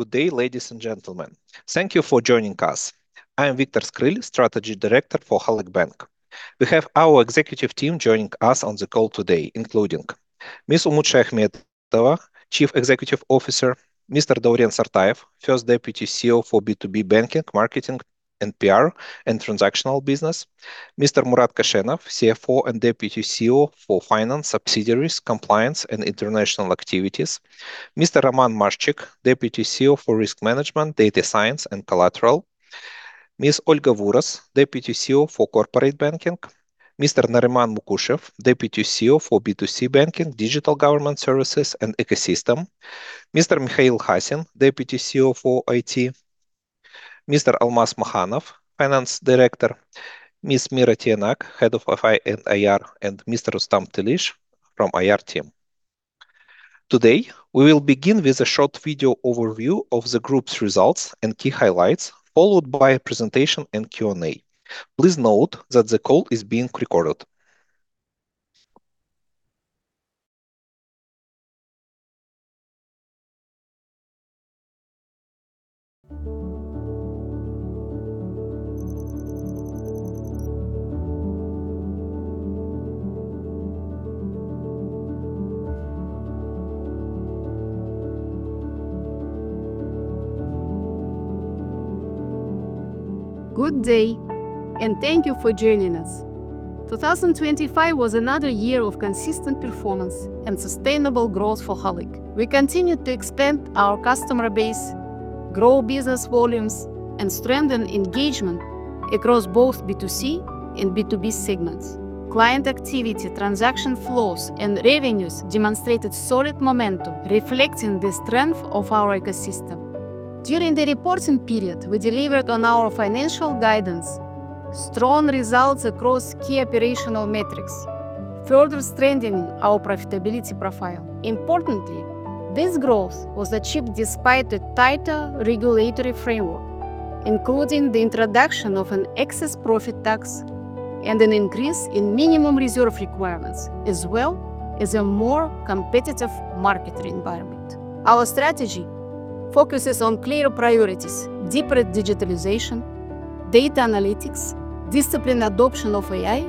Good day, ladies and gentlemen. Thank you for joining us. I'm Viktor Skryl, Strategy Director for Halyk Bank. We have our executive team joining us on the call today, including Ms. Umut Shayakhmetova, Chief Executive Officer, Mr. Dauren Sartayev, First Deputy CEO for B2B banking, marketing, NPL, and transactional business, Mr. Murat Koshenov, CFO and Deputy CEO for finance, subsidiaries, compliance, and international activities, Mr. Roman Maszczyk, Deputy CEO for risk management, data science, and collateral, Ms. Olga Vuros, Deputy CEO for corporate banking, Mr. Nariman Mukushev, Deputy CEO for B2C banking, digital government services and ecosystem, Mr. Mikhail Khasin, Deputy CEO for IT, Mr. Almas Makhanov, Finance Director, Ms. Mira Tiyanak, Head of FI and IR, and Mr. Rustam Telish from IR team. Today, we will begin with a short video overview of the group's results and key highlights, followed by a presentation and Q&A. Please note that the call is being recorded. Good day, and thank you for joining us. 2025 was another year of consistent performance and sustainable growth for Halyk. We continued to expand our customer base, grow business volumes, and strengthen engagement across both B2C and B2B segments. Client activity, transaction flows, and revenues demonstrated solid momentum, reflecting the strength of our ecosystem. During the reporting period, we delivered on our financial guidance strong results across key operational metrics, further strengthening our profitability profile. Importantly, this growth was achieved despite the tighter regulatory framework, including the introduction of an excess profit tax and an increase in minimum reserve requirements, as well as a more competitive market environment. Our strategy focuses on clear priorities, deeper digitalization, data analytics, disciplined adoption of AI,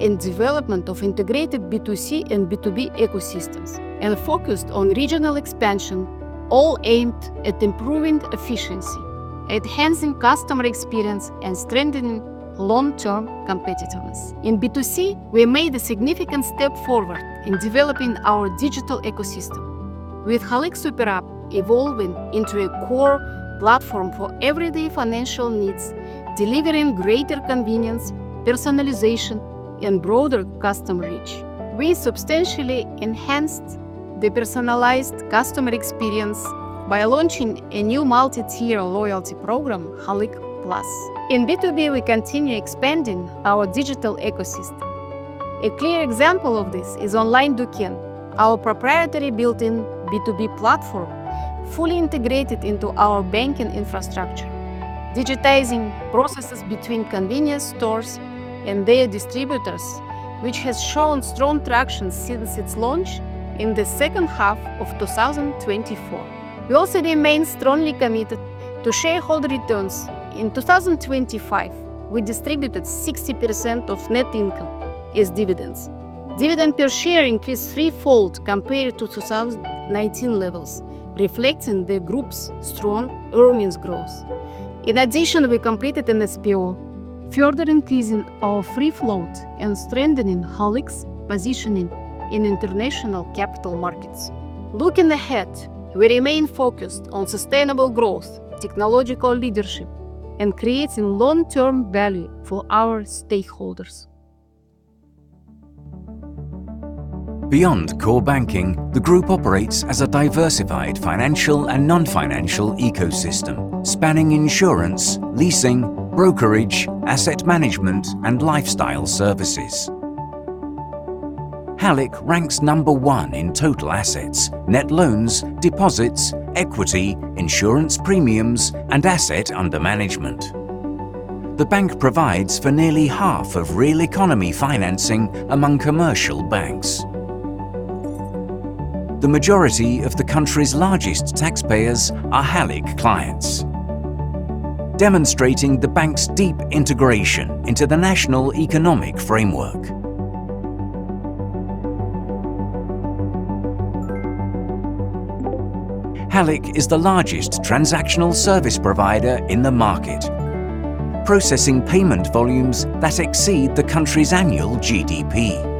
and development of integrated B2C and B2B ecosystems, and focused on regional expansion, all aimed at improving efficiency, enhancing customer experience, and strengthening long-term competitiveness. In B2C, we made a significant step forward in developing our digital ecosystem, with Halyk Super-App evolving into a core platform for everyday financial needs, delivering greater convenience, personalization, and broader customer reach. We substantially enhanced the personalized customer experience by launching a new multi-tier loyalty program, Halyk+. In B2B, we continue expanding our digital ecosystem. A clear example of this is Online Duken, our proprietary built-in B2B platform, fully integrated into our banking infrastructure, digitizing processes between convenience stores and their distributors, which has shown strong traction since its launch in the second half of 2024. We also remain strongly committed to shareholder returns. In 2025, we distributed 60% of net income as dividends. Dividend per share increased threefold compared to 2019 levels, reflecting the group's strong earnings growth. In addition, we completed an SPO, further increasing our free float and strengthening Halyk's positioning in international capital markets. Looking ahead, we remain focused on sustainable growth, technological leadership, and creating long-term value for our stakeholders. Beyond core banking, the group operates as a diversified financial and non-financial ecosystem, spanning insurance, leasing, brokerage, asset management, and lifestyle services. Halyk ranks number one in total assets, net loans, deposits, equity, insurance premiums, and assets under management. The bank provides for nearly half of real economy financing among commercial banks. The majority of the country's largest taxpayers are Halyk clients, demonstrating the bank's deep integration into the national economic framework. Halyk is the largest transactional service provider in the market, processing payment volumes that exceed the country's annual GDP.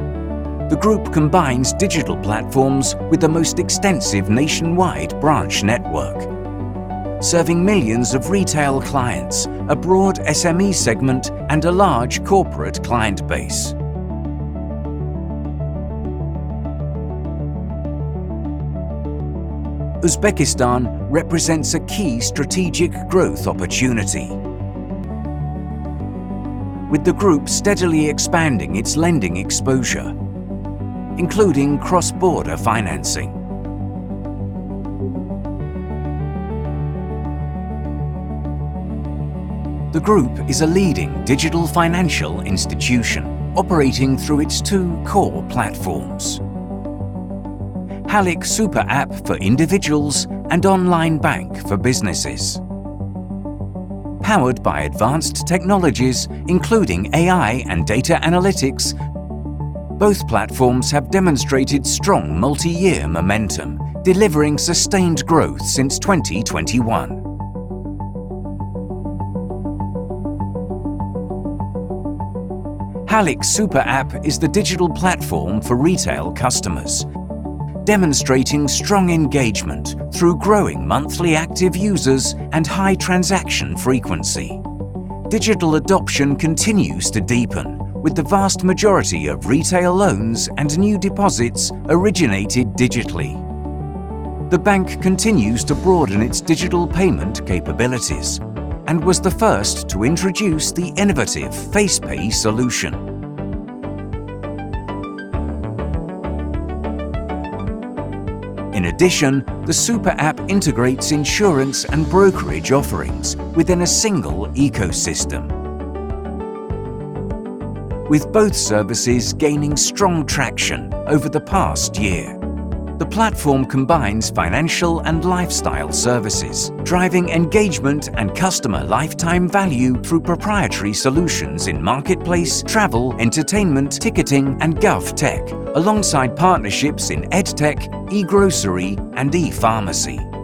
The group combines digital platforms with the most extensive nationwide branch network, serving millions of retail clients, a broad SME segment, and a large corporate client base. Uzbekistan represents a key strategic growth opportunity, with the group steadily expanding its lending exposure, including cross-border financing. The group is a leading digital financial institution operating through its two core platforms, Halyk Super-App for individuals and Onlinebank for businesses. Powered by advanced technologies, including AI and data analytics, both platforms have demonstrated strong multi-year momentum, delivering sustained growth since 2021. Halyk Super-App is the digital platform for retail customers, demonstrating strong engagement through growing monthly active users and high transaction frequency. Digital adoption continues to deepen with the vast majority of retail loans and new deposits originated digitally. The bank continues to broaden its digital payment capabilities and was the first to introduce the innovative Face Pay solution. In addition, the Super-App integrates insurance and brokerage offerings within a single ecosystem, with both services gaining strong traction over the past year. The platform combines financial and lifestyle services, driving engagement and customer lifetime value through proprietary solutions in marketplace, travel, entertainment, ticketing, and GovTech, alongside partnerships in EdTech, eGrocery, and ePharmacy.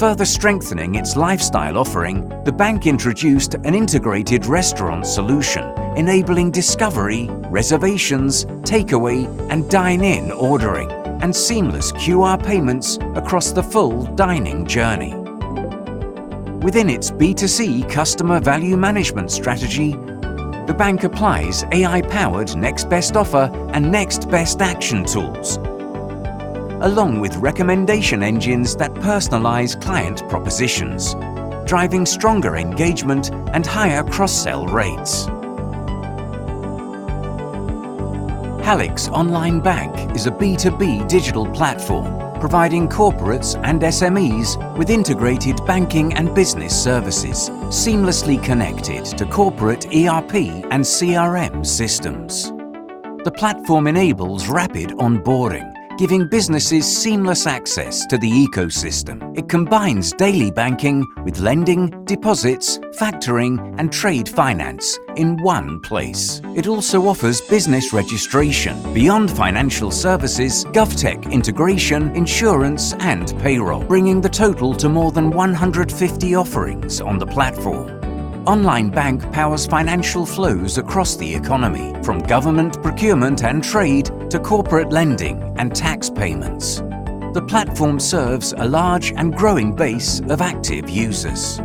Further strengthening its lifestyle offering, the bank introduced an integrated restaurant solution enabling discovery, reservations, takeaway, and dine-in ordering, and seamless QR payments across the full dining journey. Within its B2C customer value management strategy, the bank applies AI-powered next best offer and next best action tools, along with recommendation engines that personalize client propositions, driving stronger engagement and higher cross-sell rates. Halyk's Online Bank is a B2B digital platform providing corporates and SMEs with integrated banking and business services seamlessly connected to corporate ERP and CRM systems. The platform enables rapid onboarding, giving businesses seamless access to the ecosystem. It combines daily banking with lending, deposits, factoring, and trade finance in one place. It also offers business registration beyond financial services, GovTech integration, insurance, and payroll, bringing the total to more than 150 offerings on the platform. Onlinebank powers financial flows across the economy, from government procurement and trade to corporate lending and tax payments. The platform serves a large and growing base of active users.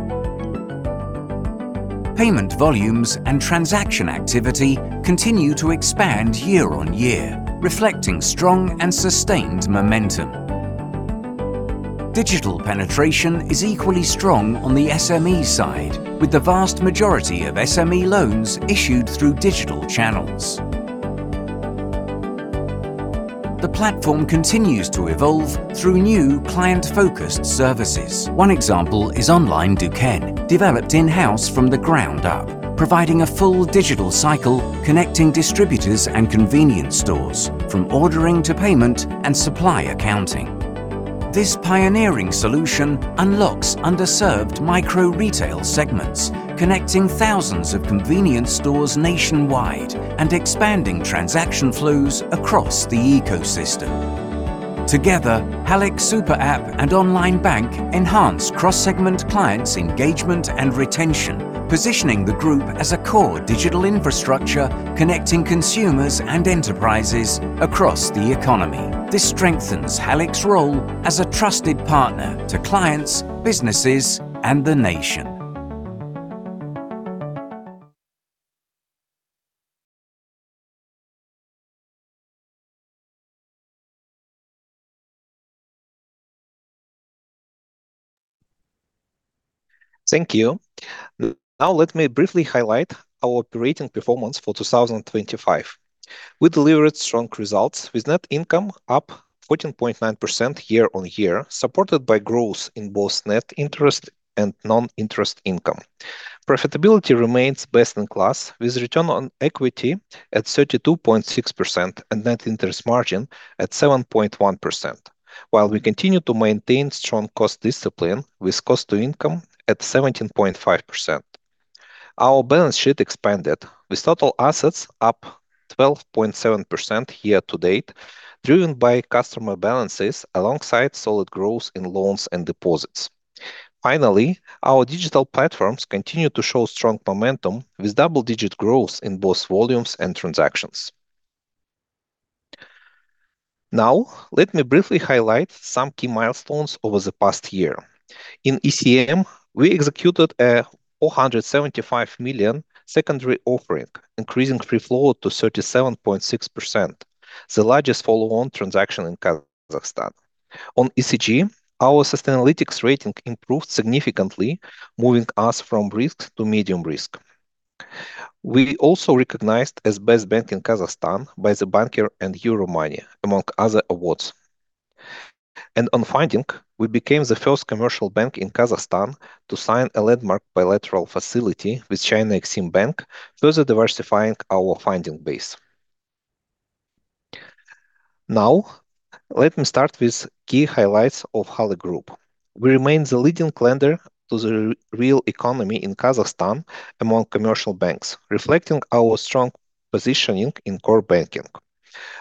Payment volumes and transaction activity continue to expand year-on-year, reflecting strong and sustained momentum. Digital penetration is equally strong on the SME side, with the vast majority of SME loans issued through digital channels. The platform continues to evolve through new client-focused services. One example is Online Duken, developed in-house from the ground up, providing a full digital cycle connecting distributors and convenience stores from ordering to payment and supply accounting. This pioneering solution unlocks underserved micro-retail segments, connecting thousands of convenience stores nationwide and expanding transaction flows across the ecosystem. Together, Halyk Super-App and Online Bank enhance cross-segment clients' engagement and retention, positioning the group as a core digital infrastructure connecting consumers and enterprises across the economy. This strengthens Halyk's role as a trusted partner to clients, businesses, and the nation. Thank you. Now let me briefly highlight our operating performance for 2025. We delivered strong results with net income up 14.9% year-on-year, supported by growth in both net interest and non-interest income. Profitability remains best in class with return on equity at 32.6% and net interest margin at 7.1%, while we continue to maintain strong cost discipline with cost to income at 17.5%. Our balance sheet expanded with total assets up 12.7% year to date, driven by customer balances alongside solid growth in loans and deposits. Finally, our digital platforms continue to show strong momentum with double-digit growth in both volumes and transactions. Now, let me briefly highlight some key milestones over the past year. In ECM, we executed a $475 million secondary offering, increasing free float to 37.6%, the largest follow-on transaction in Kazakhstan. On ESG, our Sustainalytics rating improved significantly, moving us from risk to medium risk. We also recognized as best bank in Kazakhstan by The Banker and Euromoney, among other awards. On funding, we became the first commercial bank in Kazakhstan to sign a landmark bilateral facility with China Exim Bank, further diversifying our funding base. Now, let me start with key highlights of Halyk Group. We remain the leading lender to the real economy in Kazakhstan among commercial banks, reflecting our strong positioning in core banking.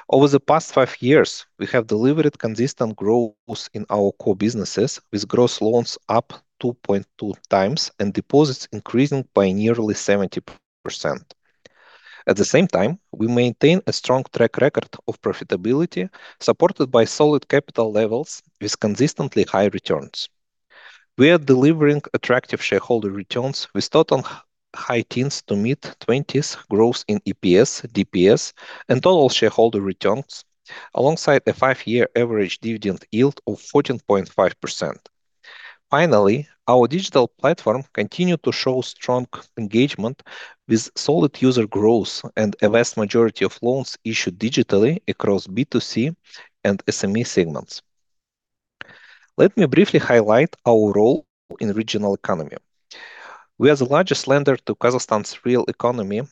Over the past five years, we have delivered consistent growth in our core businesses, with gross loans up 2.2x and deposits increasing by nearly 70%. At the same time, we maintain a strong track record of profitability, supported by solid capital levels with consistently high returns. We are delivering attractive shareholder returns with total high teens to mid-20s growth in EPS, DPS, and total shareholder returns, alongside a five-year average dividend yield of 14.5%. Finally, our digital platform continued to show strong engagement with solid user growth and a vast majority of loans issued digitally across B2C and SME segments. Let me briefly highlight our role in regional economy. We are the largest lender to Kazakhstan's real economy,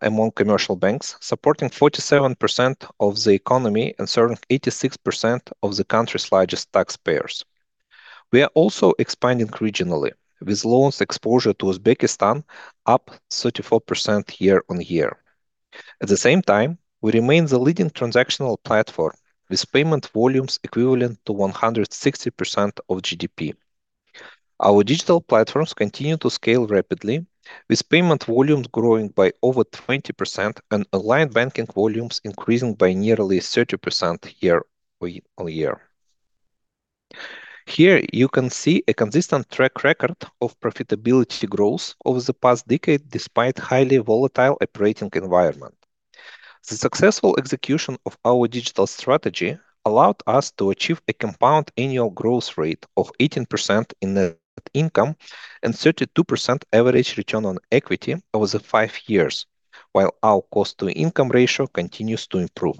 among commercial banks, supporting 47% of the economy and serving 86% of the country's largest taxpayers. We are also expanding regionally, with loans exposure to Uzbekistan up 34% year-on-year. At the same time, we remain the leading transactional platform, with payment volumes equivalent to 160% of GDP. Our digital platforms continue to scale rapidly, with payment volumes growing by over 20% and online banking volumes increasing by nearly 30% year-on-year. Here you can see a consistent track record of profitability growth over the past decade, despite highly volatile operating environment. The successful execution of our digital strategy allowed us to achieve a compound annual growth rate of 18% in net income and 32% average return on equity over the five years, while our cost-to-income ratio continues to improve.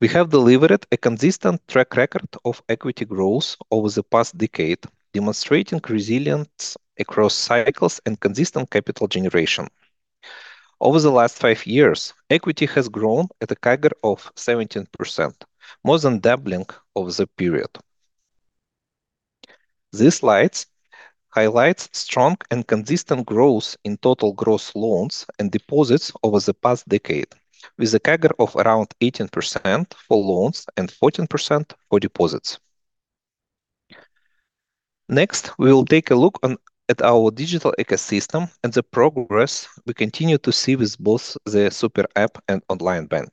We have delivered a consistent track record of equity growth over the past decade, demonstrating resilience across cycles and consistent capital generation. Over the last five years, equity has grown at a CAGR of 17%, more than doubling over the period. This slide highlights strong and consistent growth in total gross loans and deposits over the past decade, with a CAGR of around 18% for loans and 14% for deposits. Next, we will take a look at our digital ecosystem and the progress we continue to see with both the Super-App and Online Bank.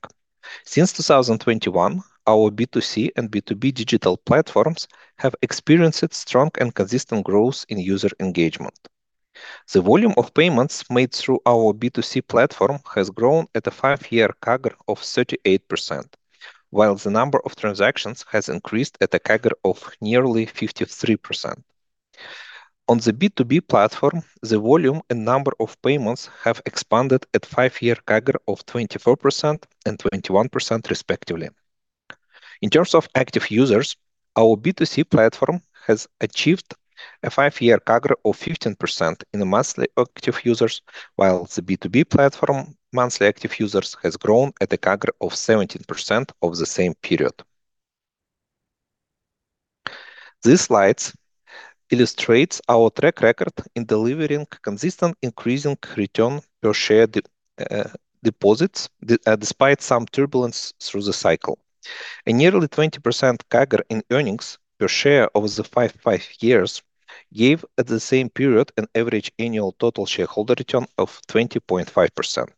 Since 2021, our B2C and B2B digital platforms have experienced strong and consistent growth in user engagement. The volume of payments made through our B2C platform has grown at a five-year CAGR of 38%, while the number of transactions has increased at a CAGR of nearly 53%. On the B2B platform, the volume and number of payments have expanded at five-year CAGR of 24% and 21% respectively. In terms of active users, our B2C platform has achieved a five-year CAGR of 15% in monthly active users, while the B2B platform monthly active users has grown at a CAGR of 17% over the same period. This slide illustrates our track record in delivering consistent increasing return per share despite some turbulence through the cycle. A nearly 20% CAGR in earnings per share over the five years gave, at the same period, an average annual total shareholder return of 20.5%.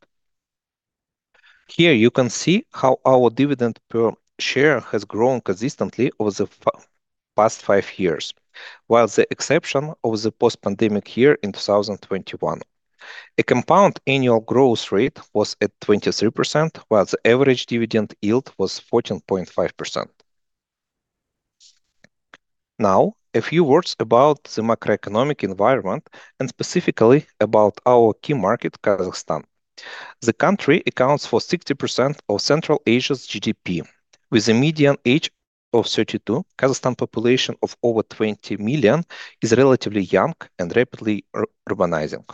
Here you can see how our dividend per share has grown consistently over the past five years, with the exception of the post-pandemic year in 2021. A compound annual growth rate was at 23%, while the average dividend yield was 14.5%. Now, a few words about the macroeconomic environment, and specifically about our key market, Kazakhstan. The country accounts for 60% of Central Asia's GDP. With a median age of 32, Kazakhstan population of over 20 million is relatively young and rapidly urbanizing.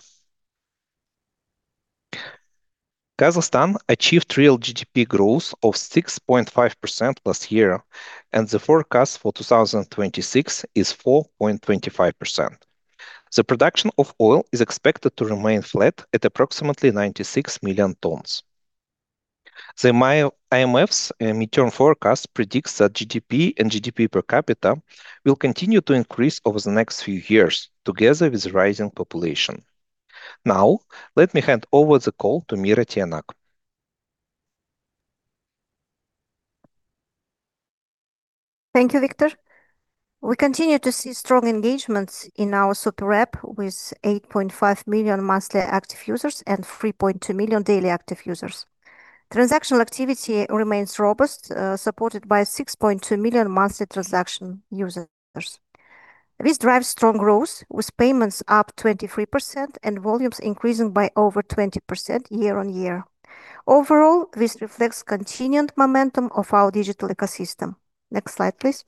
Kazakhstan achieved real GDP growth of 6.5% last year, and the forecast for 2026 is 4.25%. The production of oil is expected to remain flat at approximately 96 million tons. The IMF's midterm forecast predicts that GDP and GDP per capita will continue to increase over the next few years, together with the rising population. Now, let me hand over the call to Mira Tiyanak. Thank you, Viktor. We continue to see strong engagements in our Halyk Super-App with 8.5 million monthly active users and 3.2 million daily active users. Transactional activity remains robust, supported by 6.2 million monthly transaction users. This drives strong growth with payments up 23% and volumes increasing by over 20% year-on-year. Overall, this reflects continued momentum of our digital ecosystem. Next slide, please.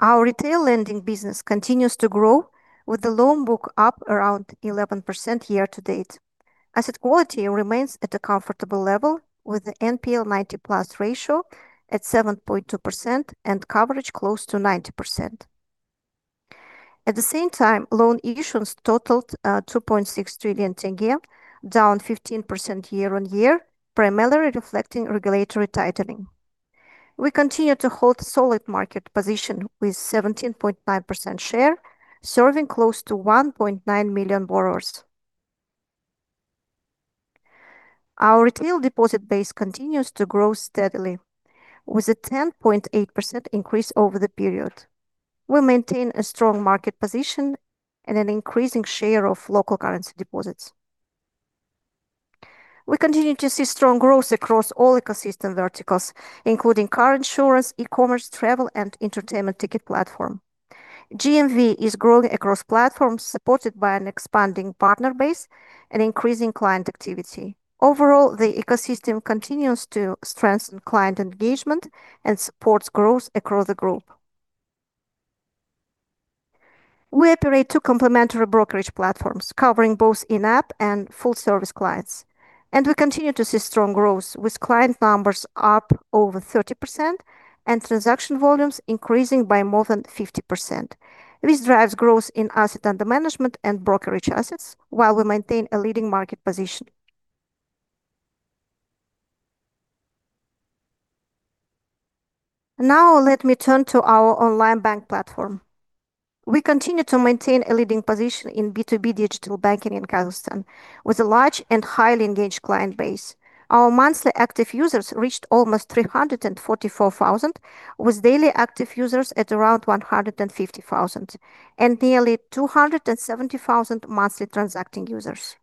Our retail lending business continues to grow with the loan book up around 11% year-to-date. Asset quality remains at a comfortable level with the NPL 90+ ratio at 7.2% and coverage close to 90%. At the same time, loan issuance totaled KZT 2.6 trillion, down 15% year-on-year, primarily reflecting regulatory tightening. We continue to hold solid market position with 17.9% share, serving close to 1.9 million borrowers. Our retail deposit base continues to grow steadily with a 10.8% increase over the period. We maintain a strong market position and an increasing share of local currency deposits. We continue to see strong growth across all ecosystem verticals, including car insurance, e-commerce, travel and entertainment ticket platform. GMV is growing across platforms supported by an expanding partner base and increasing client activity. Overall, the ecosystem continues to strengthen client engagement and supports growth across the group. We operate two complementary brokerage platforms covering both in-app and full-service clients. We continue to see strong growth with client numbers up over 30% and transaction volumes increasing by more than 50%. This drives growth in asset under management and brokerage assets while we maintain a leading market position. Now let me turn to our online bank platform. We continue to maintain a leading position in B2B digital banking in Kazakhstan with a large and highly engaged client base. Our monthly active users reached almost 344,000, with daily active users at around 150,000 and nearly 270,000 monthly transacting users.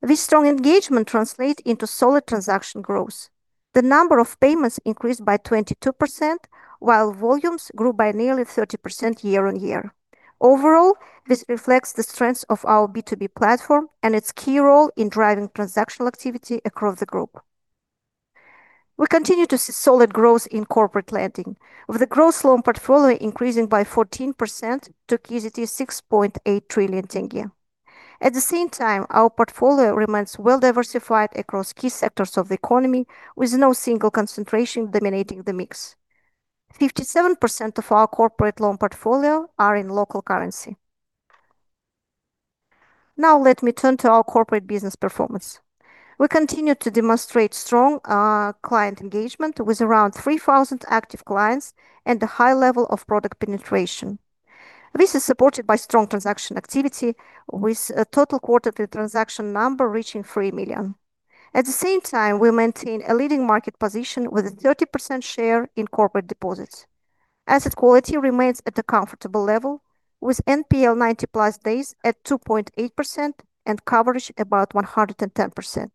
This strong engagement translates into solid transaction growth. The number of payments increased by 22%, while volumes grew by nearly 30% year-on-year. Overall, this reflects the strength of our B2B platform and its key role in driving transactional activity across the group. We continue to see solid growth in corporate lending, with the gross loan portfolio increasing by 14% to KZT 6.8 trillion. At the same time, our portfolio remains well diversified across key sectors of the economy, with no single concentration dominating the mix. 57% of our corporate loan portfolio are in local currency. Now let me turn to our corporate business performance. We continue to demonstrate strong client engagement with around 3,000 active clients and a high level of product penetration. This is supported by strong transaction activity, with a total quarterly transaction number reaching three million. At the same time, we maintain a leading market position with a 30% share in corporate deposits. Asset quality remains at a comfortable level, with NPL 90+ days at 2.8% and coverage about 110%.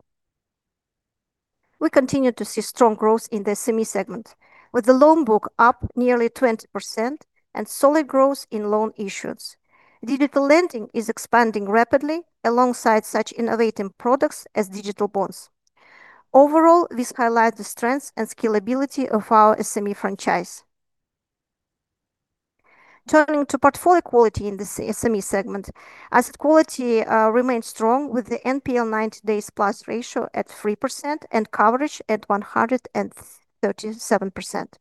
We continue to see strong growth in the SME segment, with the loan book up nearly 20% and solid growth in loan issuance. Digital lending is expanding rapidly alongside such innovative products as digital bonds. Overall, this highlights the strengths and scalability of our SME franchise. Turning to portfolio quality in the SME segment. Asset quality remains strong with the NPL 90 days plus ratio at 3% and coverage at 137%,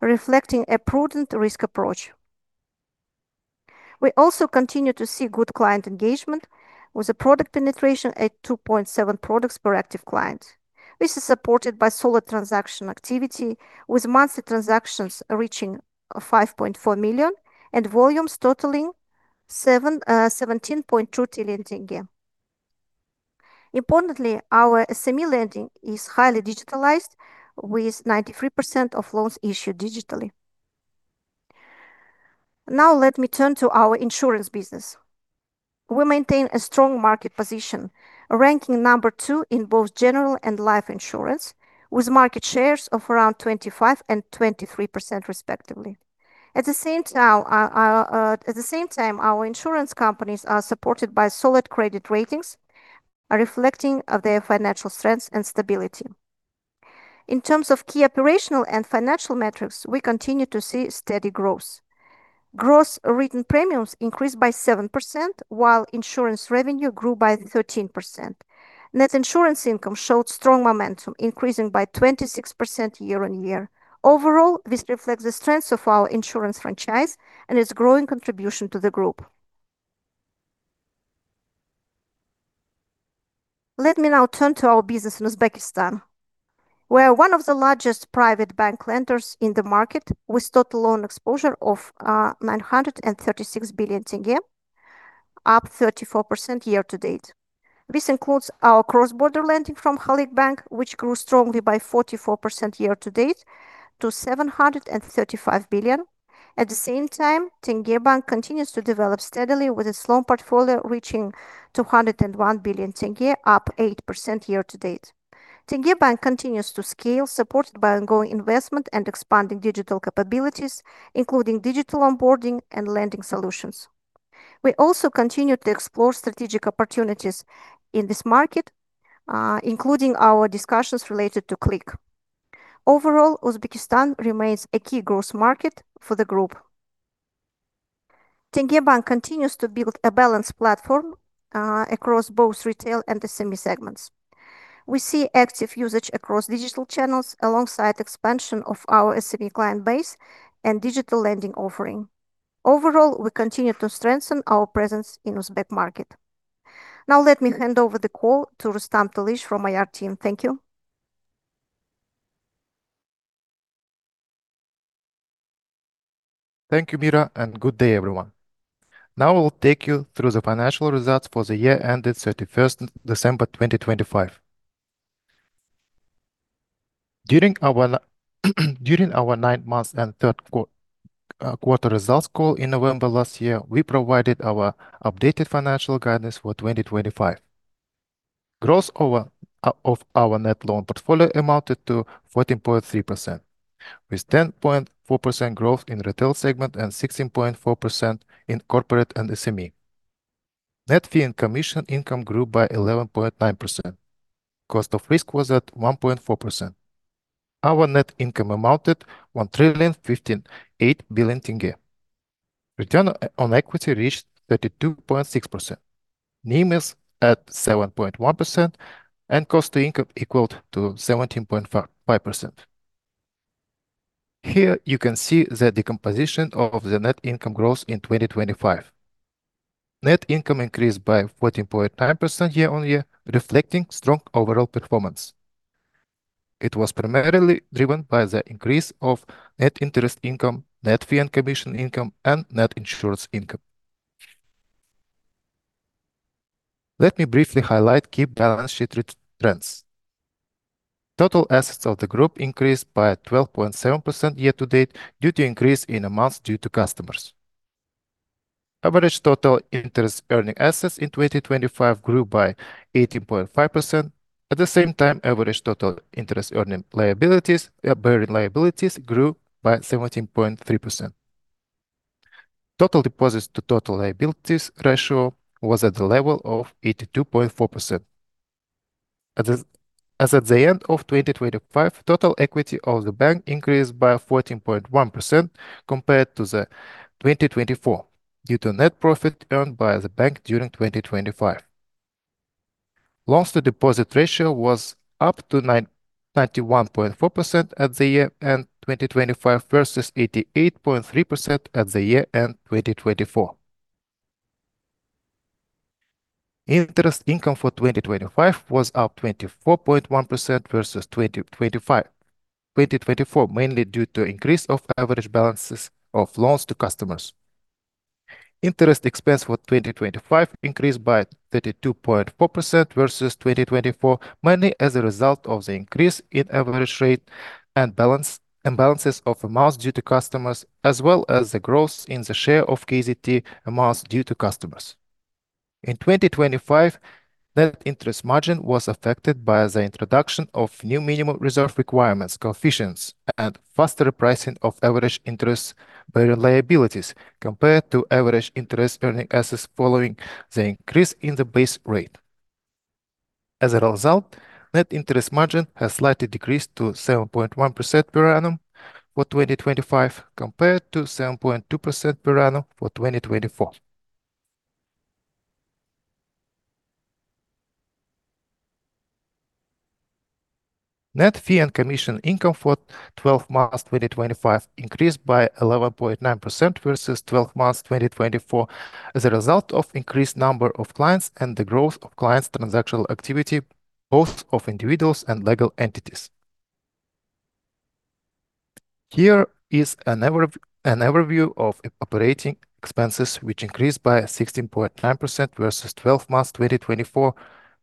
reflecting a prudent risk approach. We also continue to see good client engagement with the product penetration at 2.7 products per active client. This is supported by solid transaction activity, with monthly transactions reaching 5.4 million and volumes totaling KZT 17.2 trillion. Importantly, our SME lending is highly digitalized, with 93% of loans issued digitally. Now let me turn to our insurance business. We maintain a strong market position, ranking number two in both general and life insurance, with market shares of around 25% and 23% respectively. At the same time, our insurance companies are supported by solid credit ratings, reflecting their financial strengths and stability. In terms of key operational and financial metrics, we continue to see steady growth. Gross written premiums increased by 7%, while insurance revenue grew by 13%. Net insurance income showed strong momentum, increasing by 26% year-on-year. Overall, this reflects the strength of our insurance franchise and its growing contribution to the group. Let me now turn to our business in Uzbekistan. We are one of the largest private bank lenders in the market, with total loan exposure of KZT 936 billion, up 34% year-to-date. This includes our cross-border lending from Halyk Bank, which grew strongly by 44% year-to-date to KZT 735 billion. At the same time, Tenge Bank continues to develop steadily, with its loan portfolio reaching KZT 201 billion tenge, up 8% year-to-date. Tenge Bank continues to scale, supported by ongoing investment and expanding digital capabilities, including digital onboarding and lending solutions. We also continue to explore strategic opportunities in this market, including our discussions related to Click. Overall, Uzbekistan remains a key growth market for the group. Tenge Bank continues to build a balanced platform across both retail and SME segments. We see active usage across digital channels alongside expansion of our SME client base and digital lending offering. Overall, we continue to strengthen our presence in Uzbek market. Now let me hand over the call to Rustam Telish from IR team. Thank you. Thank you, Mira, and good day, everyone. Now I'll take you through the financial results for the year ended December 31st, 2025. During our nine months and third quarter results call in November last year, we provided our updated financial guidance for 2025. Growth of our net loan portfolio amounted to 14.3%, with 10.4% growth in retail segment and 16.4% in corporate and SME. Net fee and commission income grew by 11.9%. Cost of risk was at 1.4%. Our net income amounted KZT 1,058 billion. Return on equity reached 32.6%. NIM is at 7.1%, and cost to income equaled to 17.5%. Here you can see the decomposition of the net income growth in 2025. Net income increased by 14.9% year-on-year, reflecting strong overall performance. It was primarily driven by the increase of net interest income, net fee and commission income, and net insurance income. Let me briefly highlight key balance sheet trends. Total assets of the group increased by 12.7% year-to-date due to increase in amounts due to customers. Average total interest-earning assets in 2025 grew by 18.5%. At the same time, average total interest-bearing liabilities grew by 17.3%. Total deposits to total liabilities ratio was at the level of 82.4%. As at the end of 2025, total equity of the bank increased by 14.1% compared to 2024 due to net profit earned by the bank during 2025. Loans-to-deposit ratio was up to 91.4% at year-end 2025 versus 88.3% at year-end 2024. Interest income for 2025 was up 24.1% versus 2024, mainly due to increase of average balances of loans to customers. Interest expense for 2025 increased by 32.4% versus 2024, mainly as a result of the increase in average rate and balance, and balances of amounts due to customers, as well as the growth in the share of KZT amounts due to customers. In 2025, net interest margin was affected by the introduction of new minimum reserve requirements, coefficients, and faster pricing of average interest-bearing liabilities compared to average interest-earning assets following the increase in the base rate. As a result, net interest margin has slightly decreased to 7.1% per annum for 2025 compared to 7.2% per annum for 2024. Net fee and commission income for 12 months, 2025 increased by 11.9% versus 12 months, 2024 as a result of increased number of clients and the growth of clients' transactional activity, both of individuals and legal entities. Here is an overview of operating expenses, which increased by 16.9% versus 12 months, 2024,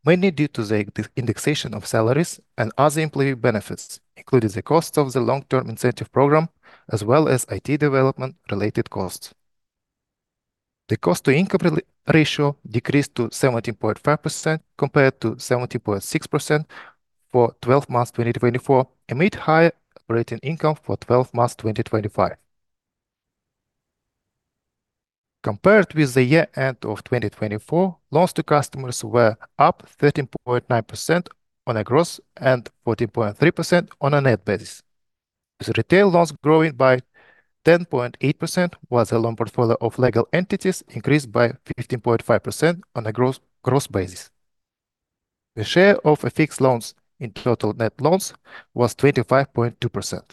mainly due to the indexation of salaries and other employee benefits, including the cost of the long-term incentive program, as well as IT development-related costs. The cost-to-income ratio decreased to 17.5% compared to 17.6% for 12 months, 2024, amid higher operating income for 12 months, 2025. Compared with the year end of 2024, loans to customers were up 13.9% on a gross and 14.3% on a net basis. The retail loans growing by 10.8%, while the loan portfolio of legal entities increased by 15.5% on a gross basis. The share of fixed loans in total net loans was 25.2%.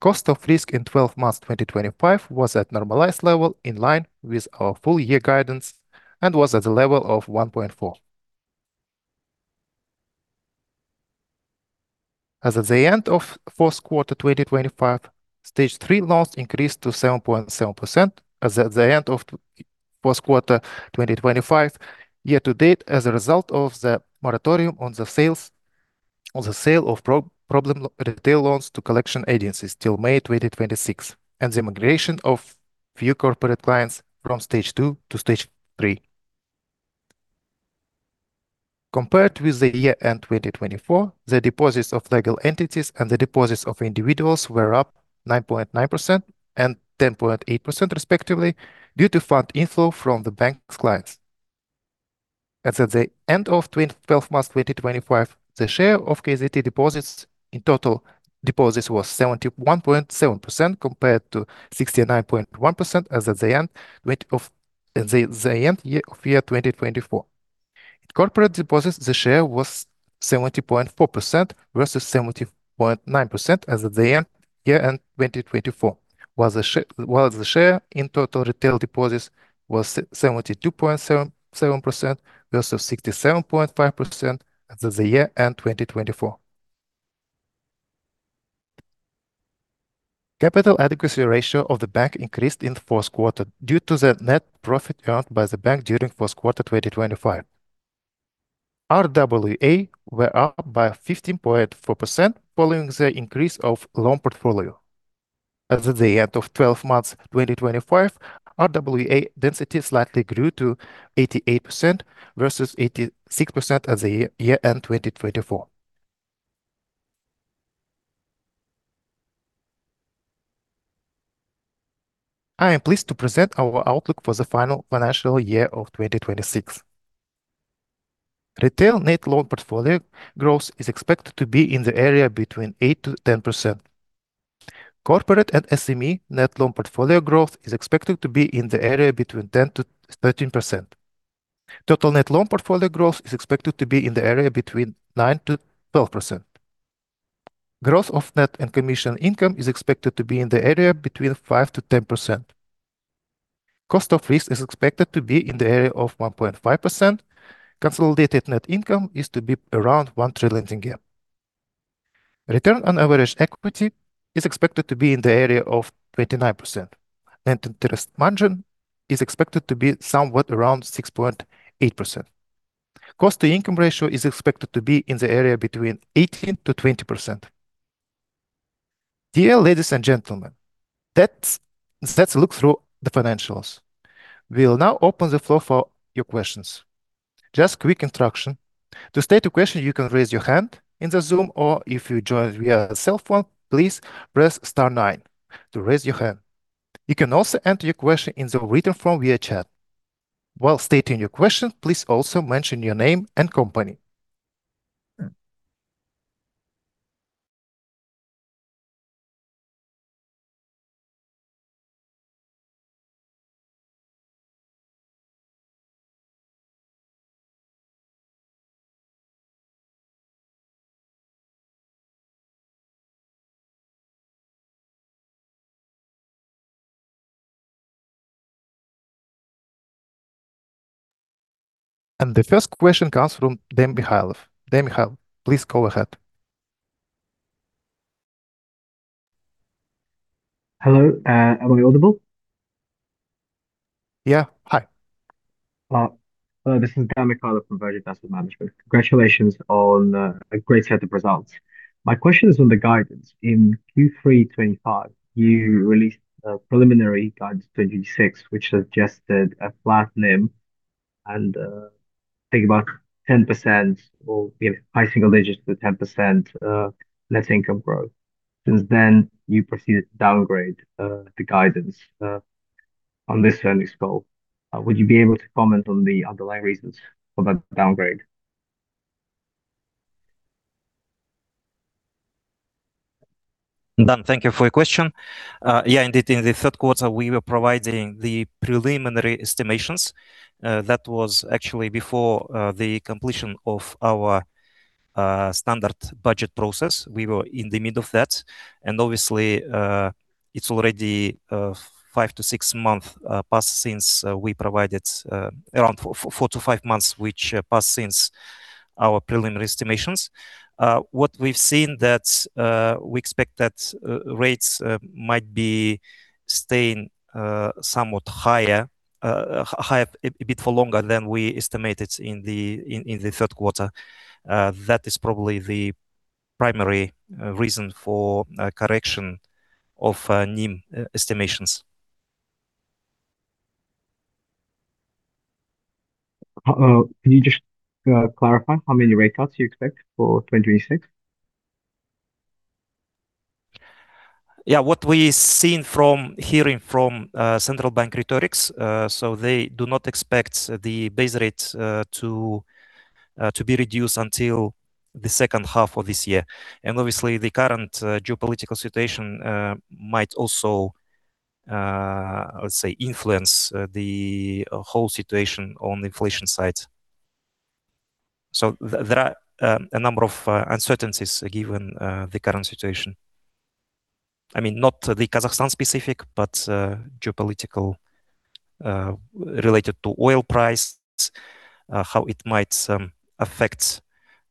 Cost of risk in 12 months, 2025 was at normalized level in line with our full year guidance and was at the level of 1.4. As at the end of fourth quarter, 2025, stage three loans increased to 7.7%. Year-to-date, as a result of the moratorium on the sale of problem retail loans to collection agencies until May 2026 and the migration of few corporate clients from stage two to stage three. Compared with year-end 2024, the deposits of legal entities and the deposits of individuals were up 9.9% and 10.8% respectively due to fund inflow from the bank's clients. As at the end of 12 months 2025, the share of KZT deposits in total deposits was 71.7% compared to 69.1% as at the end of 2024. In corporate deposits, the share was 70.4% versus 70.9% as at year-end 2024. While the share in total retail deposits was 72.7% versus 67.5% as at the year-end 2024. Capital adequacy ratio of the bank increased in the fourth quarter due to the net profit earned by the bank during first quarter 2025. RWA were up by 15.4% following the increase of loan portfolio. As at the end of 12 months 2025, RWA density slightly grew to 88% versus 86% as at the year-end 2024. I am pleased to present our outlook for the final financial year of 2026. Retail net loan portfolio growth is expected to be in the area between 8%-10%. Corporate and SME net loan portfolio growth is expected to be in the area between 10%-13%. Total net loan portfolio growth is expected to be in the area between 9%-12%. Growth of net and commission income is expected to be in the area between 5%-10%. Cost of risk is expected to be in the area of 1.5%. Consolidated net income is to be around KZT 1 trillion. Return on average equity is expected to be in the area of 29%. Net interest margin is expected to be somewhat around 6.8%. Cost-to-income ratio is expected to be in the area between 18%-20%. Dear ladies and gentlemen, that's. Let's look through the financials. We'll now open the floor for your questions. Just quick instruction. To state a question, you can raise your hand in the Zoom, or if you joined via cell phone, please press star nine to raise your hand. You can also enter your question in the written form via chat. While stating your question, please also mention your name and company. The first question comes from Dan Mikhaylov. Danil Mikhailov, please go ahead. Hello, am I audible? Yeah. Hi. Hello, this is Dan Mikhaylov from Vergest Asset Management. Congratulations on a great set of results. My question is on the guidance. In Q3 2025, you released a preliminary guidance 2026, which suggested a flat NIM and I think about 10% or, you know, high single digits to 10%, net income growth. Since then, you proceeded to downgrade the guidance on this earnings call. Would you be able to comment on the underlying reasons for that downgrade? Dan, thank you for your question. Yeah, indeed, in the third quarter, we were providing the preliminary estimations. That was actually before the completion of our standard budget process. We were in the middle of that. Obviously, it's already five to six months passed since we provided around four to five months which passed since our preliminary estimations. What we've seen that we expect that rates might be staying somewhat higher, a bit for longer than we estimated in the third quarter. That is probably the primary reason for correction of NIM estimations. Can you just clarify how many rate cuts you expect for 2026? Yeah. What we're seeing from hearing from central bank rhetoric, so they do not expect the base rate to be reduced until the second half of this year. Obviously, the current geopolitical situation might also, let's say, influence the whole situation on the inflation side. There are a number of uncertainties given the current situation. I mean, not the Kazakhstan specific, but geopolitical related to oil price how it might affect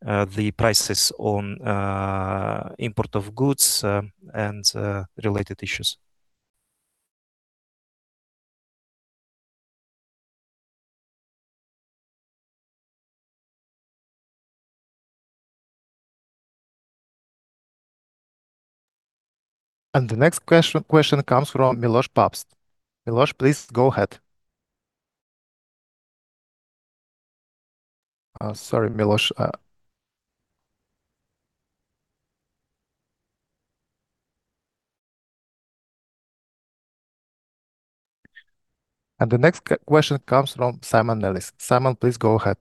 the prices on import of goods and related issues. The next question comes from Milosz Papst. Milosz, please go ahead. Sorry, the next question comes from Simon Nellis. Simon, please go ahead.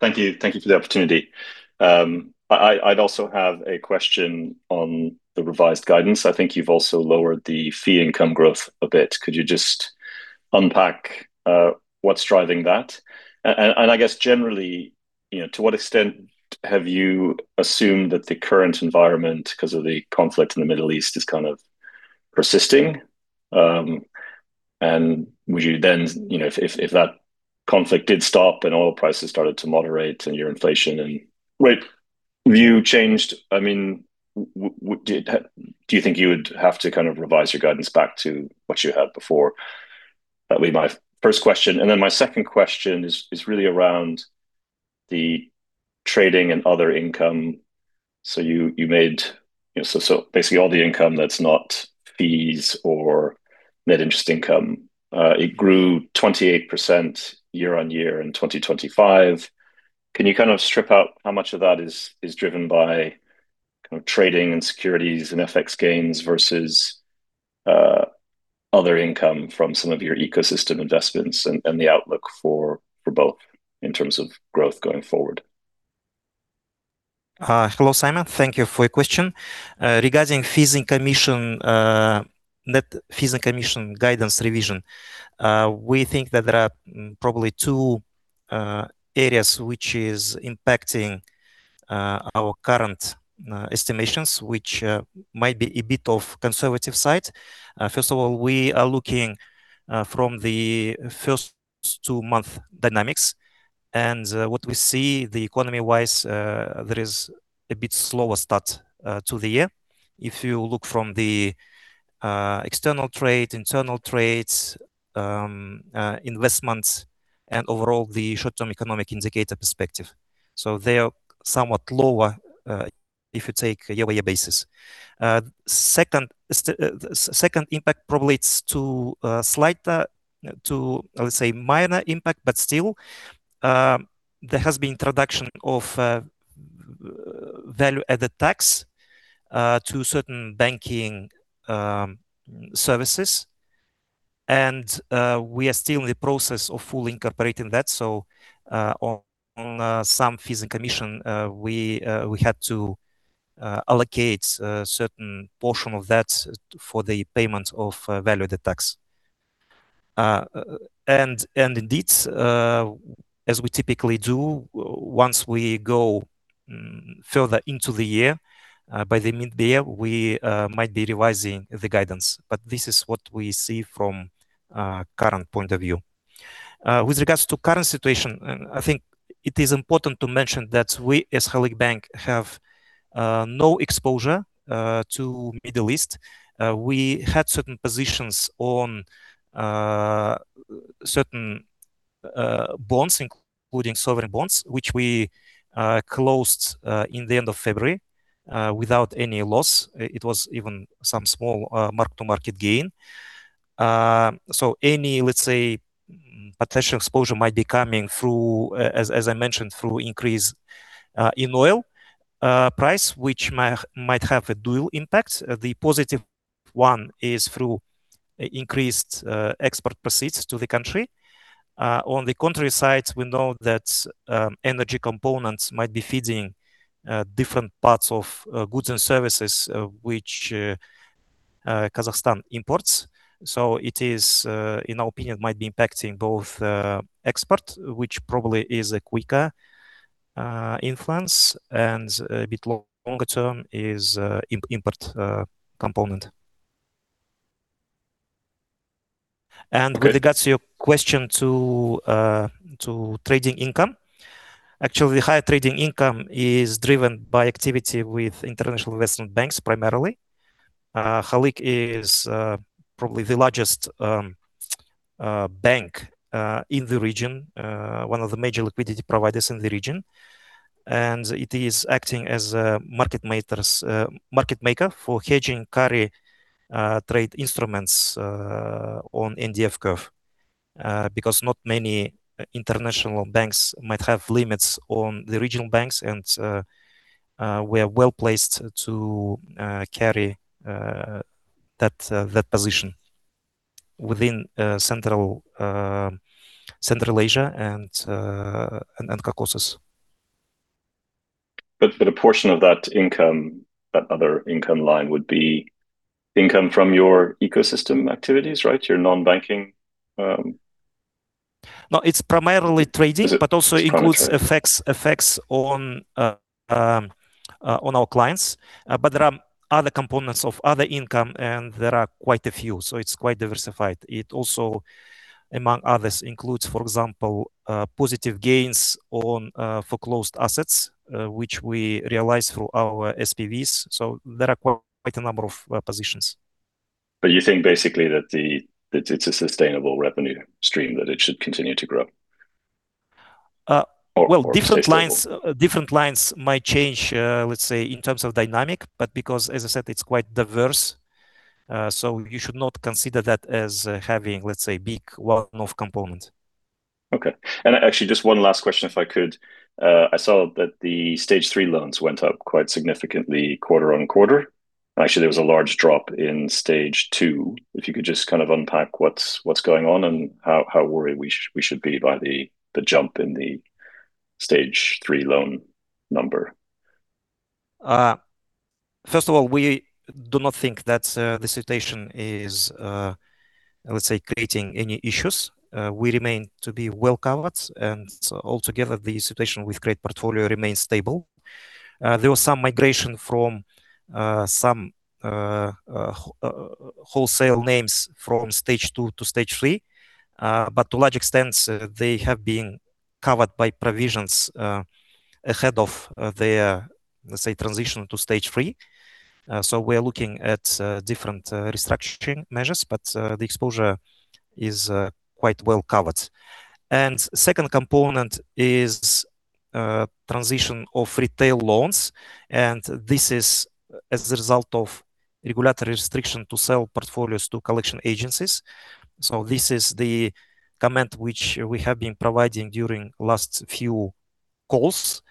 Thank you. Thank you for the opportunity. I'd also have a question on the revised guidance. I think you've also lowered the fee income growth a bit. Could you just unpack what's driving that? I guess generally, you know, to what extent have you assumed that the current environment, because of the conflict in the Middle East, is kind of persisting? Would you then, you know, if that conflict did stop and oil prices started to moderate and your inflation and Right. If your view changed, I mean, would you have to kind of revise your guidance back to what you had before? That'd be my first question. My second question is really around the trading and other income. Basically all the income that's not fees or net interest income, it grew 28% year-over-year in 2025. Can you kind of strip out how much of that is driven by kind of trading and securities and FX gains versus other income from some of your ecosystem investments and the outlook for both in terms of growth going forward? Hello, Simon. Thank you for your question. Regarding fees and commission, net fees and commission guidance revision, we think that there are probably two areas which is impacting our current estimations, which might be a bit of conservative side. First of all, we are looking from the first two month dynamics, and what we see the economy-wise, there is a bit slower start to the year. If you look from the external trade, internal trades, investments and overall the short-term economic indicator perspective. So they are somewhat lower if you take a year-on-year basis. Second impact probably it's a slight, too, let's say minor impact. Still, there has been introduction of value-added tax to certain banking services. We are still in the process of fully incorporating that. On some fees and commission, we had to allocate certain portion of that for the payment of value-added tax. Indeed, as we typically do, once we go further into the year, by the mid-year, we might be revising the guidance. This is what we see from current point of view. With regards to current situation, I think it is important to mention that we as Halyk Bank have no exposure to Middle East. We had certain positions on certain bonds including sovereign bonds, which we closed in the end of February without any loss. It was even some small mark-to-market gain. Any, let's say, potential exposure might be coming through, as I mentioned, through increase in oil price, which might have a dual impact. The positive one is through increased export proceeds to the country. On the contrary side, we know that energy components might be feeding different parts of goods and services which Kazakhstan imports. It is in our opinion might be impacting both export, which probably is a quicker influence, and a bit longer term is import component. Okay. With regards to your question to trading income. Actually, higher trading income is driven by activity with international investment banks primarily. Halyk is probably the largest bank in the region. One of the major liquidity providers in the region. It is acting as a market maker for hedging carry trade instruments on NDF curve. Because not many international banks might have limits on the regional banks and we are well-placed to carry that position within Central Asia and Caucasus. A portion of that income, that other income line would be income from your ecosystem activities, right? Your non-banking No, it's primarily trading. Is it? It's primary trading. It also includes effects on our clients. There are other components of other income, and there are quite a few. It's quite diversified. It also, among others, includes, for example, positive gains on foreclosed assets, which we realize through our SPVs. There are quite a number of positions. You think basically that it's a sustainable revenue stream, that it should continue to grow? Well, different lines might change, let's say, in terms of dynamics, but because, as I said, it's quite diverse, so you should not consider that as having, let's say, big one-off component. Okay. Actually, just one last question, if I could. I saw that the stage three loans went up quite significantly quarter-on-quarter. Actually, there was a large drop in stage two. If you could just kind of unpack what's going on and how worried we should be by the jump in the stage three loan number? First of all, we do not think that the situation is, let's say, creating any issues. We remain to be well-covered, and so altogether the situation with credit portfolio remains stable. There was some migration from some wholesale names from stage two to stage three. To a large extent, they have been covered by provisions ahead of their, let's say, transition to stage three. We're looking at different restructuring measures, but the exposure is quite well-covered. Second component is transition of retail loans, and this is as a result of regulatory restriction to sell portfolios to collection agencies. This is the comment which we have been providing during last few calls.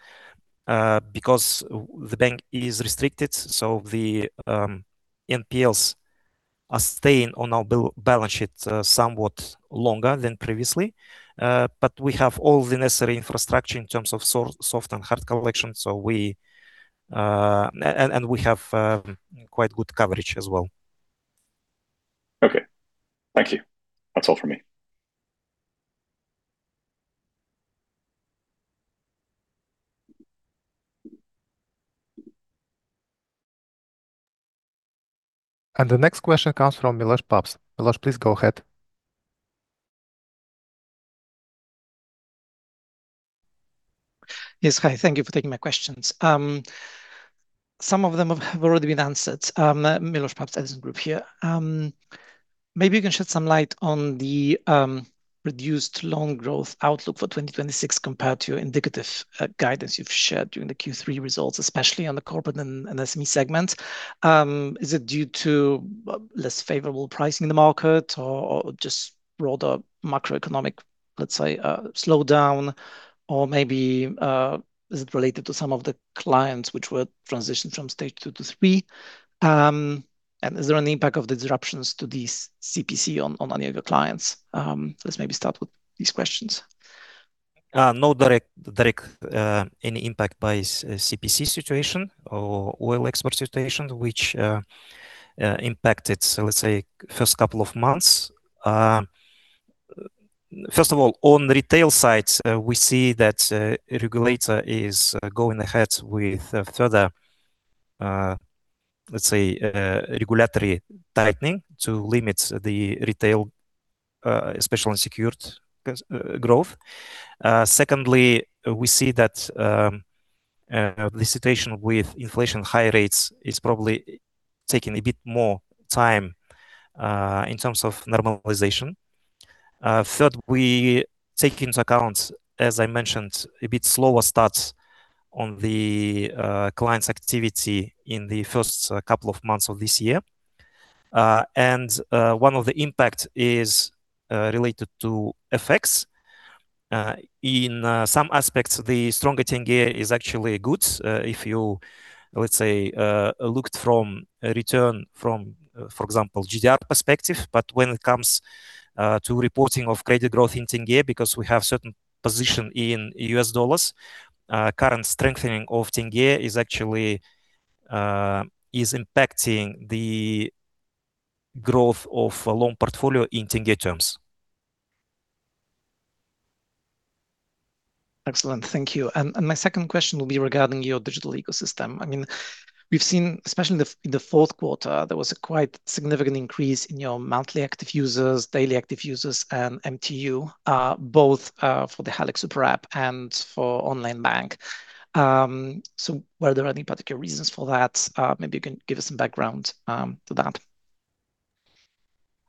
Because the bank is restricted, the NPLs are staying on our balance sheet somewhat longer than previously. We have all the necessary infrastructure in terms of soft and hard collection. We have quite good coverage as well. Okay. Thank you. That's all for me. The next question comes from Milosz Papst. Milosz, please go ahead. Yes. Hi. Thank you for taking my questions. Some of them have already been answered. Milosz Papst, Edison Group here. Maybe you can shed some light on the reduced loan growth outlook for 2026 compared to your indicative guidance you've shared during the Q3 results, especially on the corporate and SME segment. Is it due to less favorable pricing in the market or just broader macroeconomic, let's say, slowdown? Or maybe is it related to some of the clients which were transitioned from stage two-three? And is there an impact of the disruptions to these CPC on any of your clients? Let's maybe start with these questions. No direct any impact by CPC situation or oil export situation which impacted, let's say, first couple of months. First of all, on retail side, we see that regulator is going ahead with further, let's say, regulatory tightening to limit the retail, especially in secured growth. Secondly, we see that the situation with inflation high rates is probably taking a bit more time in terms of normalization. Third, we take into account, as I mentioned, a bit slower starts on the client's activity in the first couple of months of this year. One of the impact is related to FX. In some aspects, the stronger tenge is actually good if you, let's say, looked from a return from, for example, GDP perspective. When it comes to reporting of credit growth in tenge, because we have certain position in U.S. dollars, current strengthening of tenge is actually impacting the growth of loan portfolio in tenge terms. Excellent. Thank you. My second question will be regarding your digital ecosystem. I mean, we've seen, especially in the fourth quarter, there was a quite significant increase in your monthly active users, daily active users, and MTU, both for the Halyk Super-App and for Online Bank. Were there any particular reasons for that? Maybe you can give us some background to that.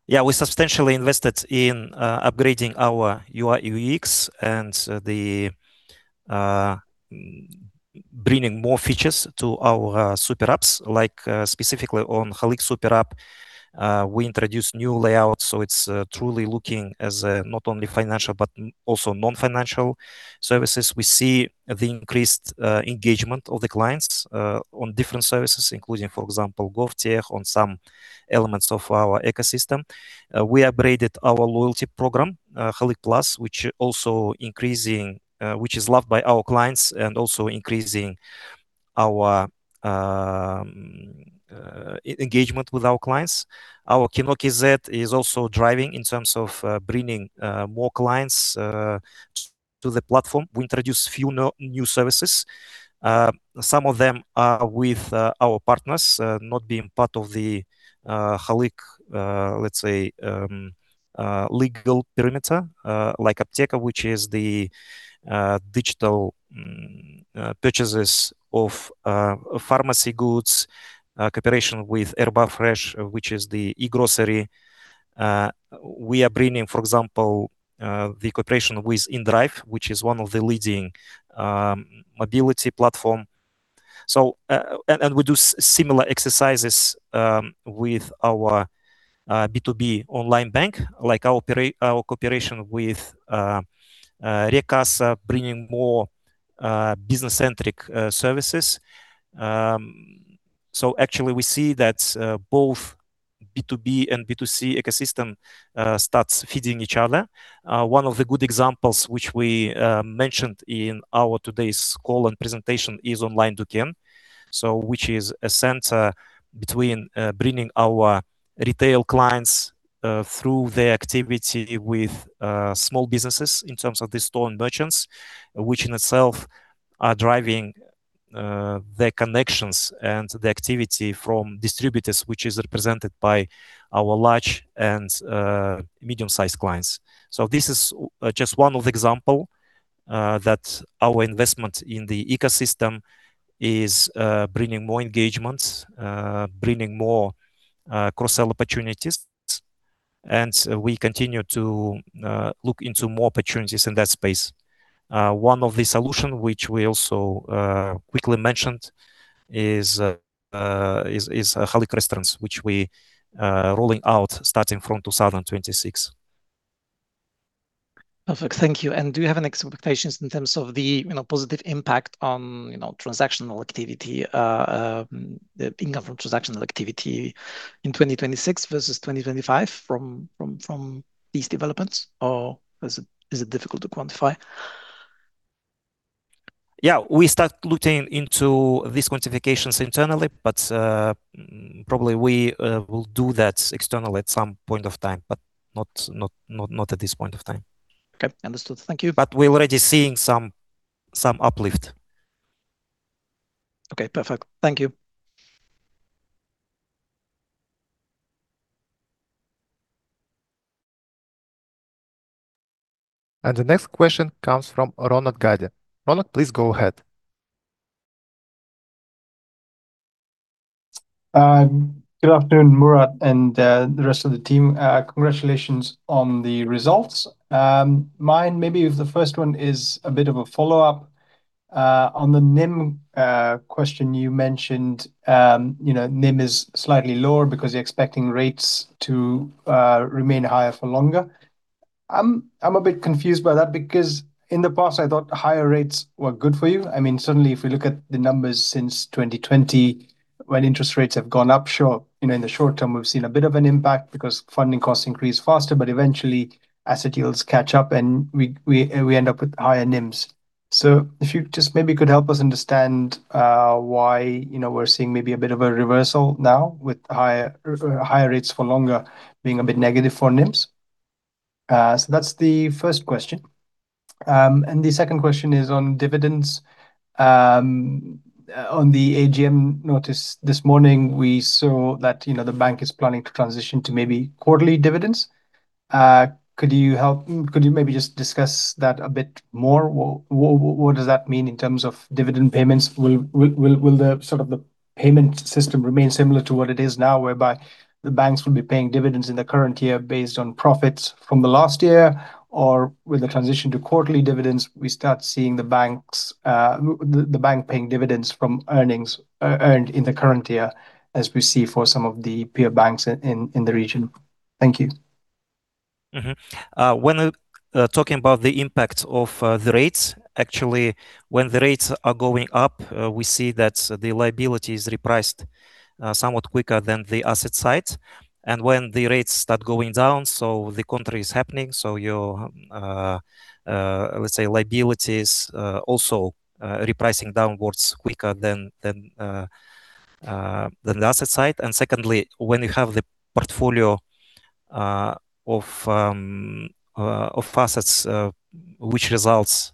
Yeah. We substantially invested in upgrading our UI, UX and the bringing more features to our super apps, like specifically on Halyk Super-App. We introduced new layouts, so it's truly looking as a not only financial, but also non-financial services. We see the increased engagement of the clients on different services, including, for example, GovTech on some elements of our ecosystem. We upgraded our loyalty program, Halyk+, which is loved by our clients and also increasing our engagement with our clients. Our kino.kz is also driving in terms of bringing more clients to the platform. We introduced few new services. Some of them are with our partners, not being part of the Halyk, let's say, legal perimeter, like APPTEKA, which is the digital purchases of pharmacy goods. Cooperation with Airba Fresh, which is the e-grocery. We are bringing, for example, the cooperation with inDrive, which is one of the leading mobility platform. We do similar exercises with our B2B online bank, like our cooperation with re:Kassa, bringing more business-centric services. Actually we see that both B2B and B2C ecosystem starts feeding each other. One of the good examples which we mentioned in our today's call and presentation is Online Duken. Which is a center between bringing our retail clients through their activity with small businesses in terms of the store and merchants, which in itself are driving their connections and the activity from distributors, which is represented by our large and medium-sized clients. This is just one of the example that our investment in the ecosystem is bringing more engagements, bringing more cross-sell opportunities, and we continue to look into more opportunities in that space. One of the solution which we also quickly mentioned is Halyk рестораны, which we rolling out starting from 2026. Perfect. Thank you. Do you have any expectations in terms of the, you know, positive impact on, you know, transactional activity, the income from transactional activity in 2026 versus 2025 from these developments or is it difficult to quantify? Yeah. We start looking into these quantifications internally, but probably we will do that externally at some point of time, but not at this point of time. Okay. Understood. Thank you. We're already seeing some uplift. Okay. Perfect. Thank you. The next question comes from Ronak Gadhia. Ronak, please go ahead. Good afternoon, Murat and the rest of the team. Congratulations on the results. Mine maybe the first one is a bit of a follow-up. On the NIM question you mentioned, you know, NIM is slightly lower because you're expecting rates to remain higher for longer. I'm a bit confused by that because in the past I thought higher rates were good for you. I mean, certainly if we look at the numbers since 2020 when interest rates have gone up sure, you know, in the short term we've seen a bit of an impact because funding costs increase faster, but eventually asset yields catch up and we end up with higher NIMs. If you just maybe could help us understand why, you know, we're seeing maybe a bit of a reversal now with higher rates for longer being a bit negative for NIMs. That's the first question. The second question is on dividends. On the AGM notice this morning, we saw that, you know, the bank is planning to transition to maybe quarterly dividends. Could you maybe just discuss that a bit more? What does that mean in terms of dividend payments? Will the sort of payment system remain similar to what it is now, whereby the banks will be paying dividends in the current year based on profits from the last year? Will the transition to quarterly dividends, we start seeing the banks, the bank paying dividends from earnings, earned in the current year, as we see for some of the peer banks in the region? Thank you. When talking about the impact of the rates, actually, when the rates are going up, we see that the liability is repriced somewhat quicker than the asset side. When the rates start going down, the contrary is happening, so your let's say liability is also repricing downwards quicker than the asset side. Secondly, when you have the portfolio of assets which, let's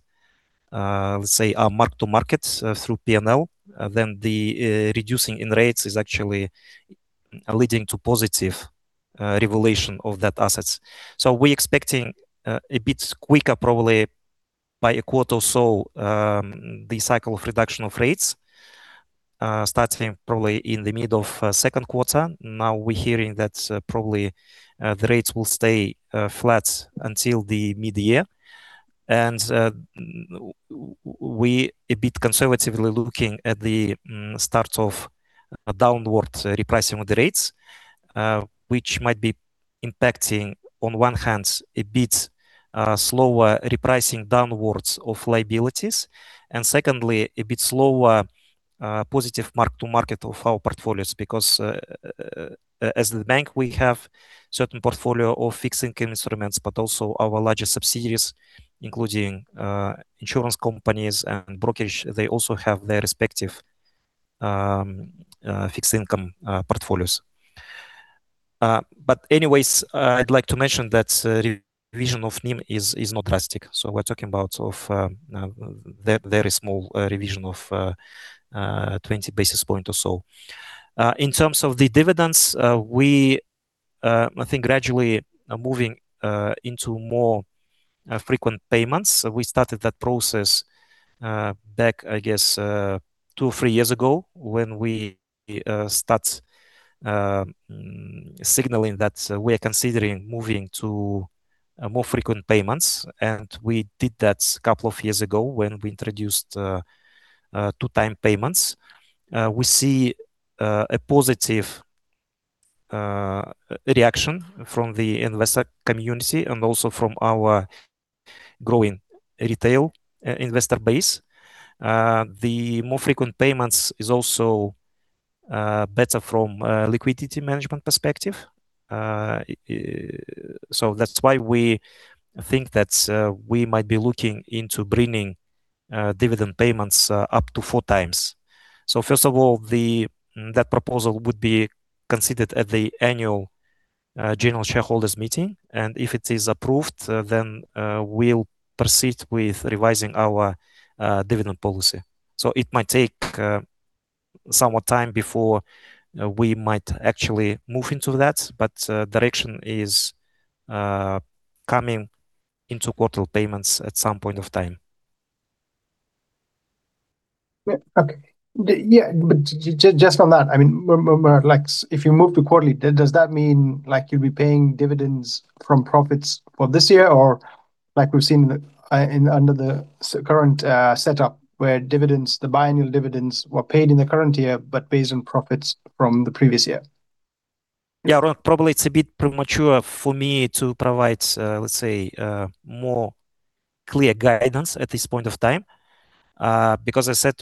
say, are mark-to-market through P&L, then the reduction in rates is actually leading to positive revaluation of those assets. We expect a bit quicker, probably by a quarter or so, the cycle of reduction of rates starting probably in the middle of second quarter. Now we're hearing that, probably, the rates will stay flat until the mid-year. We're a bit conservatively looking at the start of downward repricing of the rates, which might be impacting, on one hand, a bit slower repricing downwards of liabilities, and secondly, a bit slower positive mark-to-market of our portfolios. As a bank, we have certain portfolio of fixed income instruments, but also our larger subsidiaries, including insurance companies and brokerage, they also have their respective fixed income portfolios. Anyways, I'd like to mention that revision of NIM is not drastic. We're talking about of very small revision of 20 basis point or so. In terms of the dividends, we I think gradually are moving into more frequent payments. We started that process back, I guess, two-three years ago when we started signaling that we are considering moving to more frequent payments, and we did that a couple of years ago when we introduced two-time payments. We see a positive reaction from the investor community and also from our growing retail investor base. The more frequent payments is also better from liquidity management perspective. That's why we think that we might be looking into bringing dividend payments up to 4x. First of all, that proposal would be considered at the annual general shareholders meeting. If it is approved, then we'll proceed with revising our dividend policy. It might take some more time before we might actually move into that. Direction is coming into quarter payments at some point of time. Yeah. Okay. Just on that, I mean, like if you move to quarterly, does that mean, like, you'll be paying dividends from profits for this year? Or like we've seen under the current setup where dividends, the biannual dividends were paid in the current year but based on profits from the previous year? Yeah. Well, probably it's a bit premature for me to provide, let's say, more clear guidance at this point of time. Because I said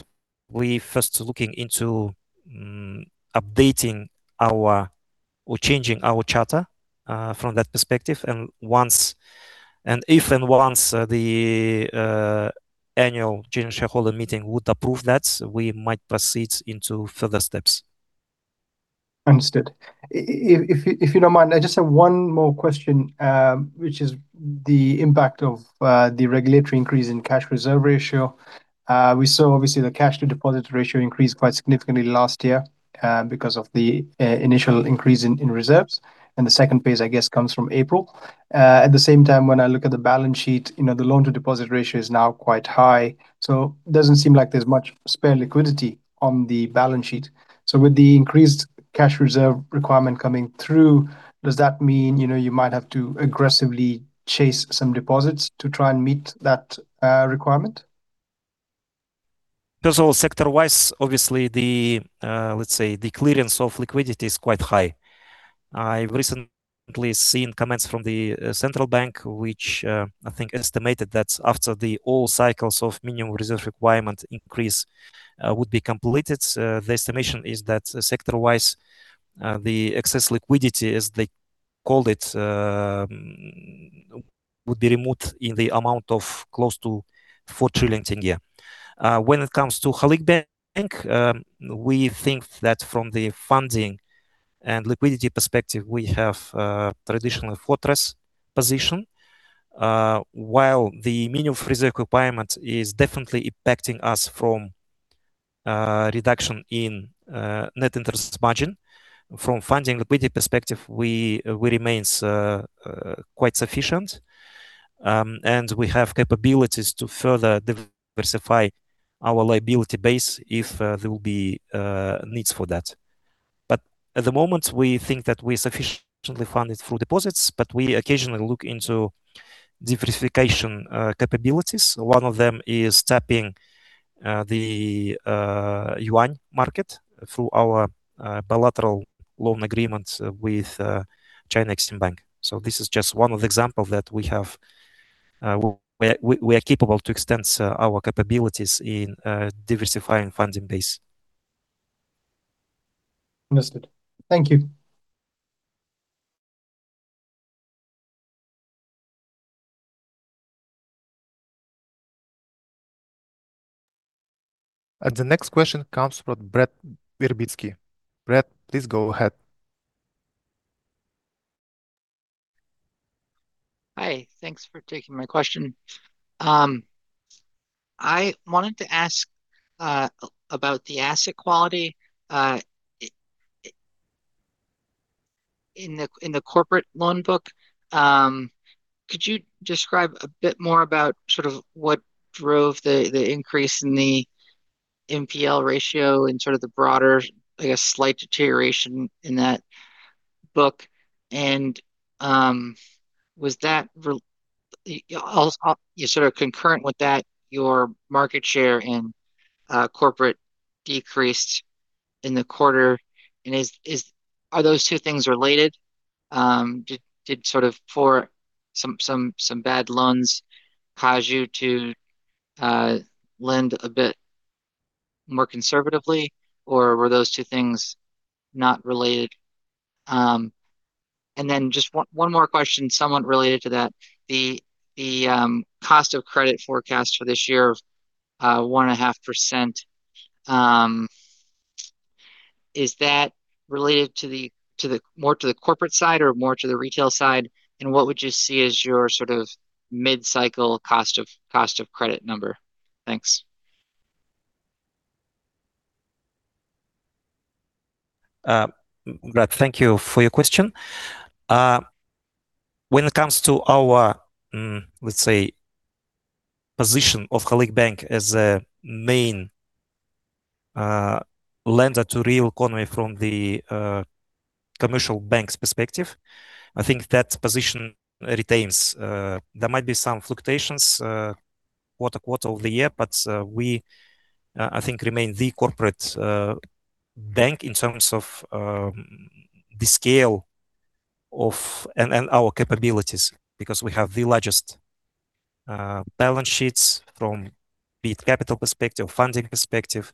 we first looking into updating or changing our charter from that perspective. Once, if the annual general shareholder meeting would approve that, we might proceed into further steps. Understood. If you don't mind, I just have one more question, which is the impact of the regulatory increase in cash reserve ratio. We saw obviously the cash to deposit ratio increased quite significantly last year, because of the initial increase in reserves, and the second phase, I guess, comes from April. At the same time, when I look at the balance sheet, you know, the loan to deposit ratio is now quite high, so doesn't seem like there's much spare liquidity on the balance sheet. With the increased cash reserve requirement coming through, does that mean, you know, you might have to aggressively chase some deposits to try and meet that requirement? First of all, sector-wise, obviously, let's say, the clearance of liquidity is quite high. I've recently seen comments from the central bank, which I think estimated that after all cycles of minimum reserve requirement increase would be completed. The estimation is that sector-wise, the excess liquidity, as they called it, would be removed in the amount of close to KZT 4 trillion. When it comes to Halyk Bank, we think that from the funding and liquidity perspective, we have traditional fortress position. While the minimum reserve requirement is definitely impacting us from reduction in net interest margin. From funding liquidity perspective, we remain quite sufficient. We have capabilities to further diversify our liability base if there will be needs for that. At the moment we think that we sufficiently funded through deposits, but we occasionally look into diversification capabilities. One of them is tapping the yuan market through our bilateral loan agreement with China Exim Bank. This is just one of the example that we have. We are capable to extend our capabilities in diversifying funding base. Understood. Thank you. The next question comes from Brett Berbeskey. Brett, please go ahead. Hi. Thanks for taking my question. I wanted to ask about the asset quality in the corporate loan book. Could you describe a bit more about sort of what drove the increase in the NPL ratio and sort of the broader, I guess, slight deterioration in that book? Was that also sort of concurrent with that, your market share in corporate decreased in the quarter. Are those two things related? Did sort of for some bad loans cause you to lend a bit more conservatively or were those two things not related? Just one more question somewhat related to that. The cost of credit forecast for this year of 1.5% is that related more to the corporate side or more to the retail side? What would you see as your sort of mid-cycle cost of credit number? Thanks. Brett, thank you for your question. When it comes to our, let's say, position of Halyk Bank as a main lender to real economy from the commercial bank's perspective. I think that position retains. There might be some fluctuations quarter-over-quarter over the year, but I think we remain the corporate bank in terms of the scale and our capabilities because we have the largest balance sheets from be it capital perspective, funding perspective,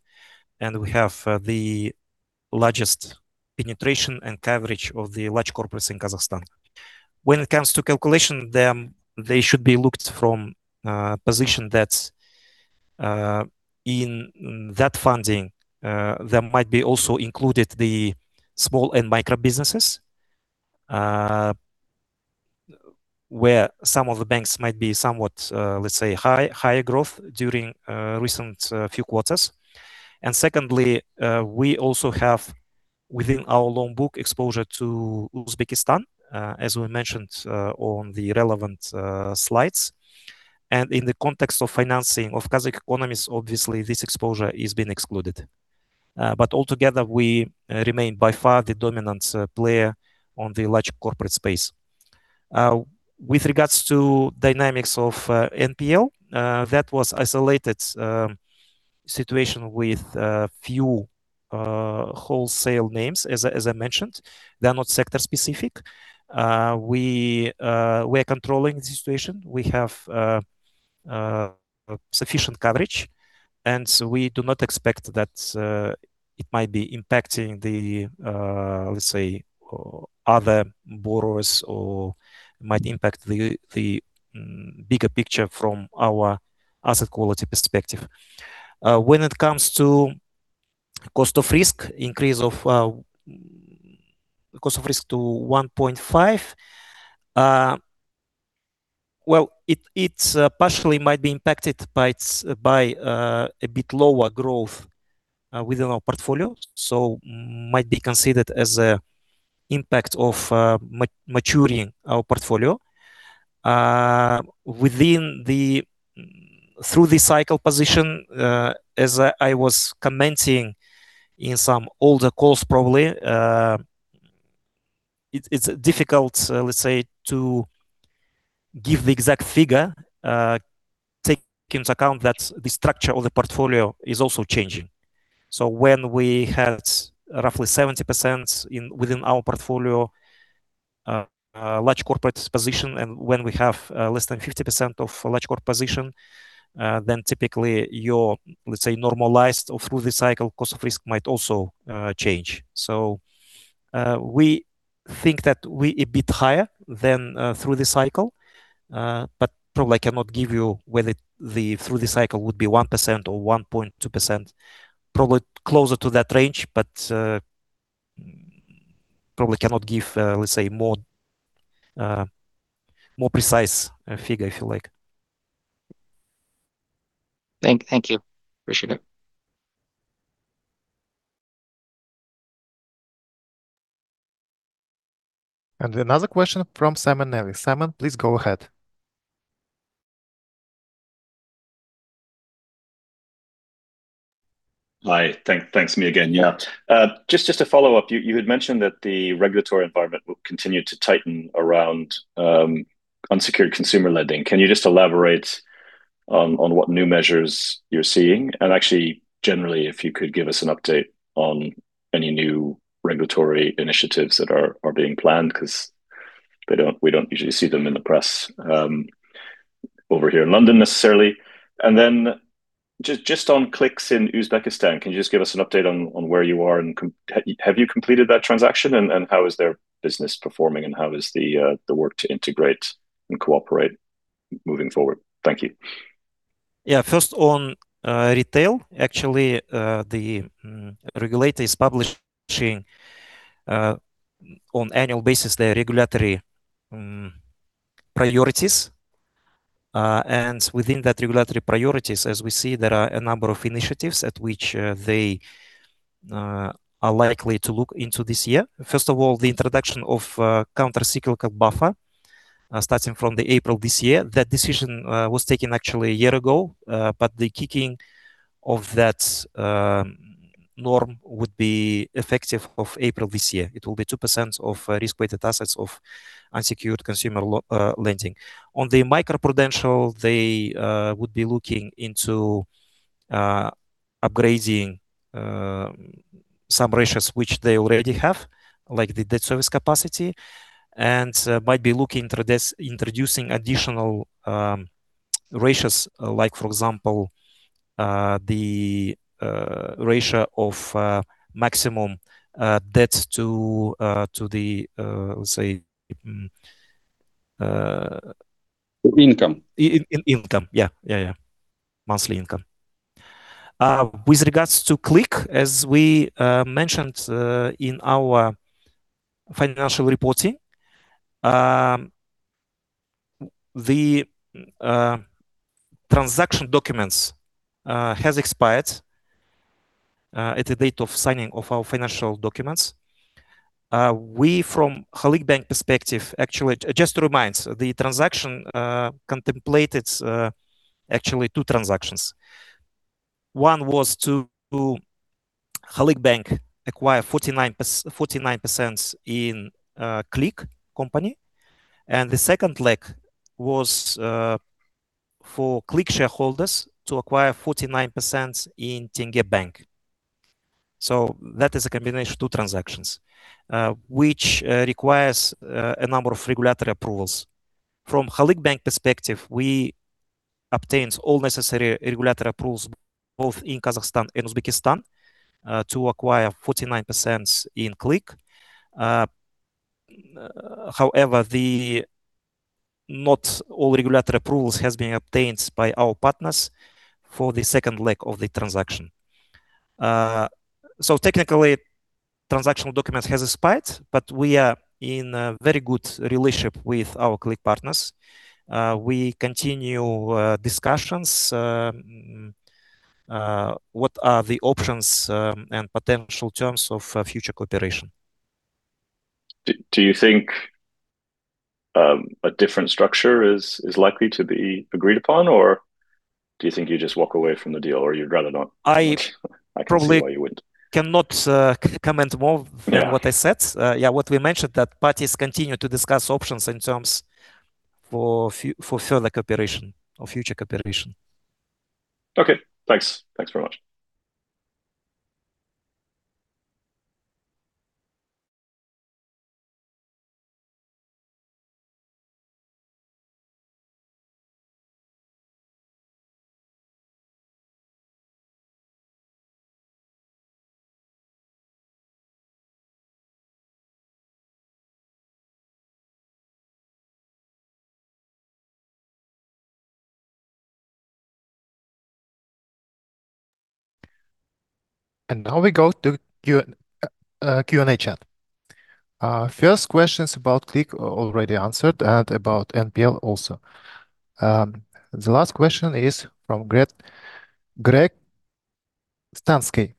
and we have the largest penetration and coverage of the large corporates in Kazakhstan. When it comes to calculation, then they should be looked from position that's in that funding there might be also included the small and micro businesses where some of the banks might be somewhat let's say higher growth during recent few quarters. Secondly, we also have within our loan book exposure to Uzbekistan as we mentioned on the relevant slides. In the context of financing of Kazakh economies, obviously, this exposure is being excluded. Altogether, we remain by far the dominant player on the large corporate space. With regards to dynamics of NPL, that was isolated situation with a few wholesale names as I mentioned. They're not sector specific. We're controlling the situation. We have sufficient coverage, and so we do not expect that it might be impacting the, let's say other borrowers or might impact the bigger picture from our asset quality perspective. When it comes to cost of risk, increase of cost of risk to 1.5%, well, it's partially might be impacted by a bit lower growth within our portfolio. Might be considered as a impact of maturing our portfolio. Within the through-the-cycle position, as I was commenting in some older calls probably, it's difficult, let's say, to give the exact figure, take into account that the structure of the portfolio is also changing. When we had roughly 70% within our portfolio, large corporate position, and when we have less than 50% of large corporate position, then typically your, let's say, normalized or through the cycle cost of risk might also change. We think that we a bit higher than through the cycle. But probably I cannot give you whether the through the cycle would be 1% or 1.2%. Probably closer to that range, but probably cannot give, let's say more precise figure if you like. Thank you. Appreciate it. Another question from Simon Nellis. Simon, please go ahead. Hi. Thanks. Me again. Yeah. Just to follow up, you had mentioned that the regulatory environment will continue to tighten around unsecured consumer lending. Can you just elaborate on what new measures you're seeing? Actually, generally, if you could give us an update on any new regulatory initiatives that are being planned, because we don't usually see them in the press over here in London necessarily. Just on Click in Uzbekistan, can you just give us an update on where you are and have you completed that transaction and how is their business performing and how is the work to integrate and cooperate moving forward? Thank you. Yeah. First on retail. Actually, the regulator is publishing on annual basis their regulatory priorities. Within that regulatory priorities, as we see, there are a number of initiatives at which they are likely to look into this year. First of all, the introduction of a countercyclical buffer starting from the April this year. That decision was taken actually a year ago, but the kicking of that norm would be effective of April this year. It will be 2% of risk-weighted assets of unsecured consumer lending. On the microprudential, they would be looking into upgrading some ratios which they already have, like the debt service capacity, and might be looking into introducing additional ratios, like for example, the ratio of maximum debts to the, let's say. Income. Monthly income. With regards to Click, as we mentioned in our financial reporting, the transaction documents has expired at the date of signing of our financial documents. From Halyk Bank perspective, actually, just to remind, the transaction contemplated actually two transactions. One was to Halyk Bank acquire 49% in Click company. The second leg was for Click shareholders to acquire 49% in Tenge Bank. That is a combination of two transactions, which requires a number of regulatory approvals. From Halyk Bank perspective, we obtained all necessary regulatory approvals both in Kazakhstan and Uzbekistan to acquire 49% in Click. However, not all regulatory approvals has been obtained by our partners for the second leg of the transaction. Technically, transactional documents has expired, but we are in a very good relationship with our Click partners. We continue discussions, what are the options, and potential terms of future cooperation. Do you think a different structure is likely to be agreed upon or do you think you just walk away from the deal or you'd rather not comment? I probably. I can see why you wouldn't. Cannot comment more than what I said. Yeah. Yeah, what we mentioned that parties continue to discuss options and terms for further cooperation or future cooperation. Okay, thanks. Thanks very much. Now we go to Q&A chat. First question's about Click, already answered, and about NPL also. The last question is from Greg Stansky.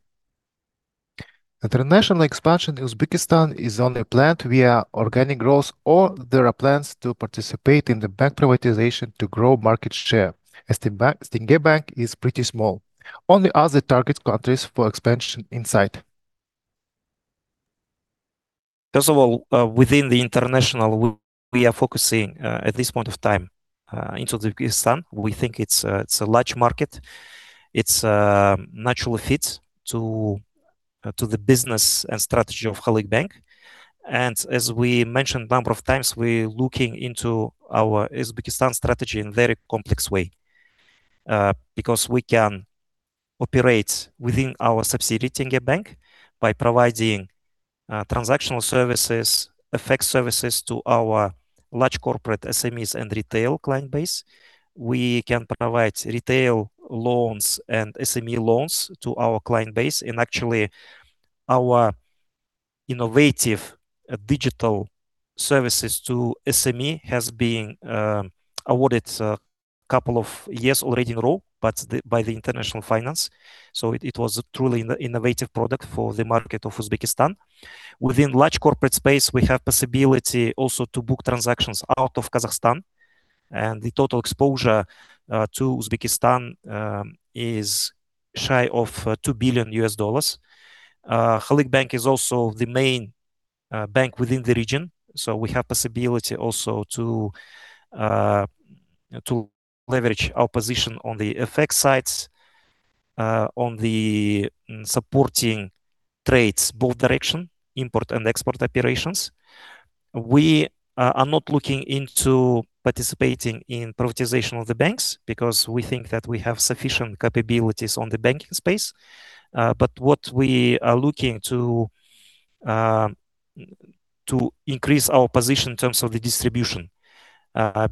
International expansion in Uzbekistan is only planned via organic growth or there are plans to participate in the bank privatization to grow market share, as the bank, Tenge Bank is pretty small. Only other target countries for expansion in sight. First of all, within the international, we are focusing at this point of time into Uzbekistan. We think it's a large market. It's a natural fit to the business and strategy of Halyk Bank. As we mentioned a number of times, we're looking into our Uzbekistan strategy in very complex way. Because we can operate within our subsidiary, Tenge Bank, by providing transactional services, FX services to our large corporate SMEs and retail client base. We can provide retail loans and SME loans to our client base. Actually, our innovative digital services to SME has been awarded a couple of years already in a row by the International Finance Magazine. It was a truly innovative product for the market of Uzbekistan. Within large corporate space, we have possibility also to book transactions out of Kazakhstan. The total exposure to Uzbekistan is shy of $2 billion. Halyk Bank is also the main bank within the region, so we have possibility also to leverage our position on the FX side on the supporting trades both direction, import and export operations. We are not looking into participating in privatization of the banks because we think that we have sufficient capabilities on the banking space. What we are looking to increase our position in terms of the distribution.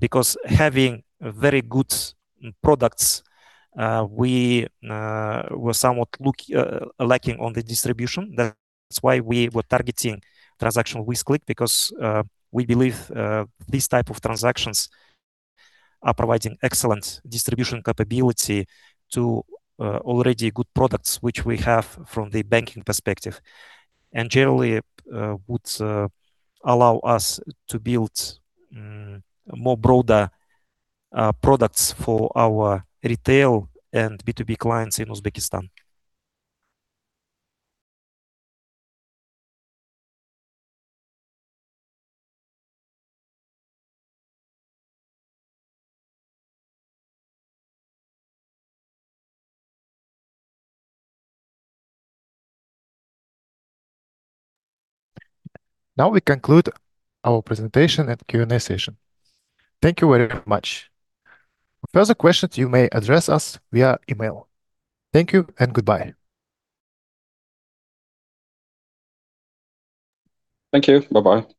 Because having very good products, we were somewhat lacking on the distribution. That's why we were targeting transactional with Click because we believe these type of transactions are providing excellent distribution capability to already good products which we have from the banking perspective. Generally would allow us to build more broader products for our retail and B2B clients in Uzbekistan. Now we conclude our presentation and Q&A session. Thank you very much. Further questions you may address us via email. Thank you and goodbye. Thank you. Bye-bye.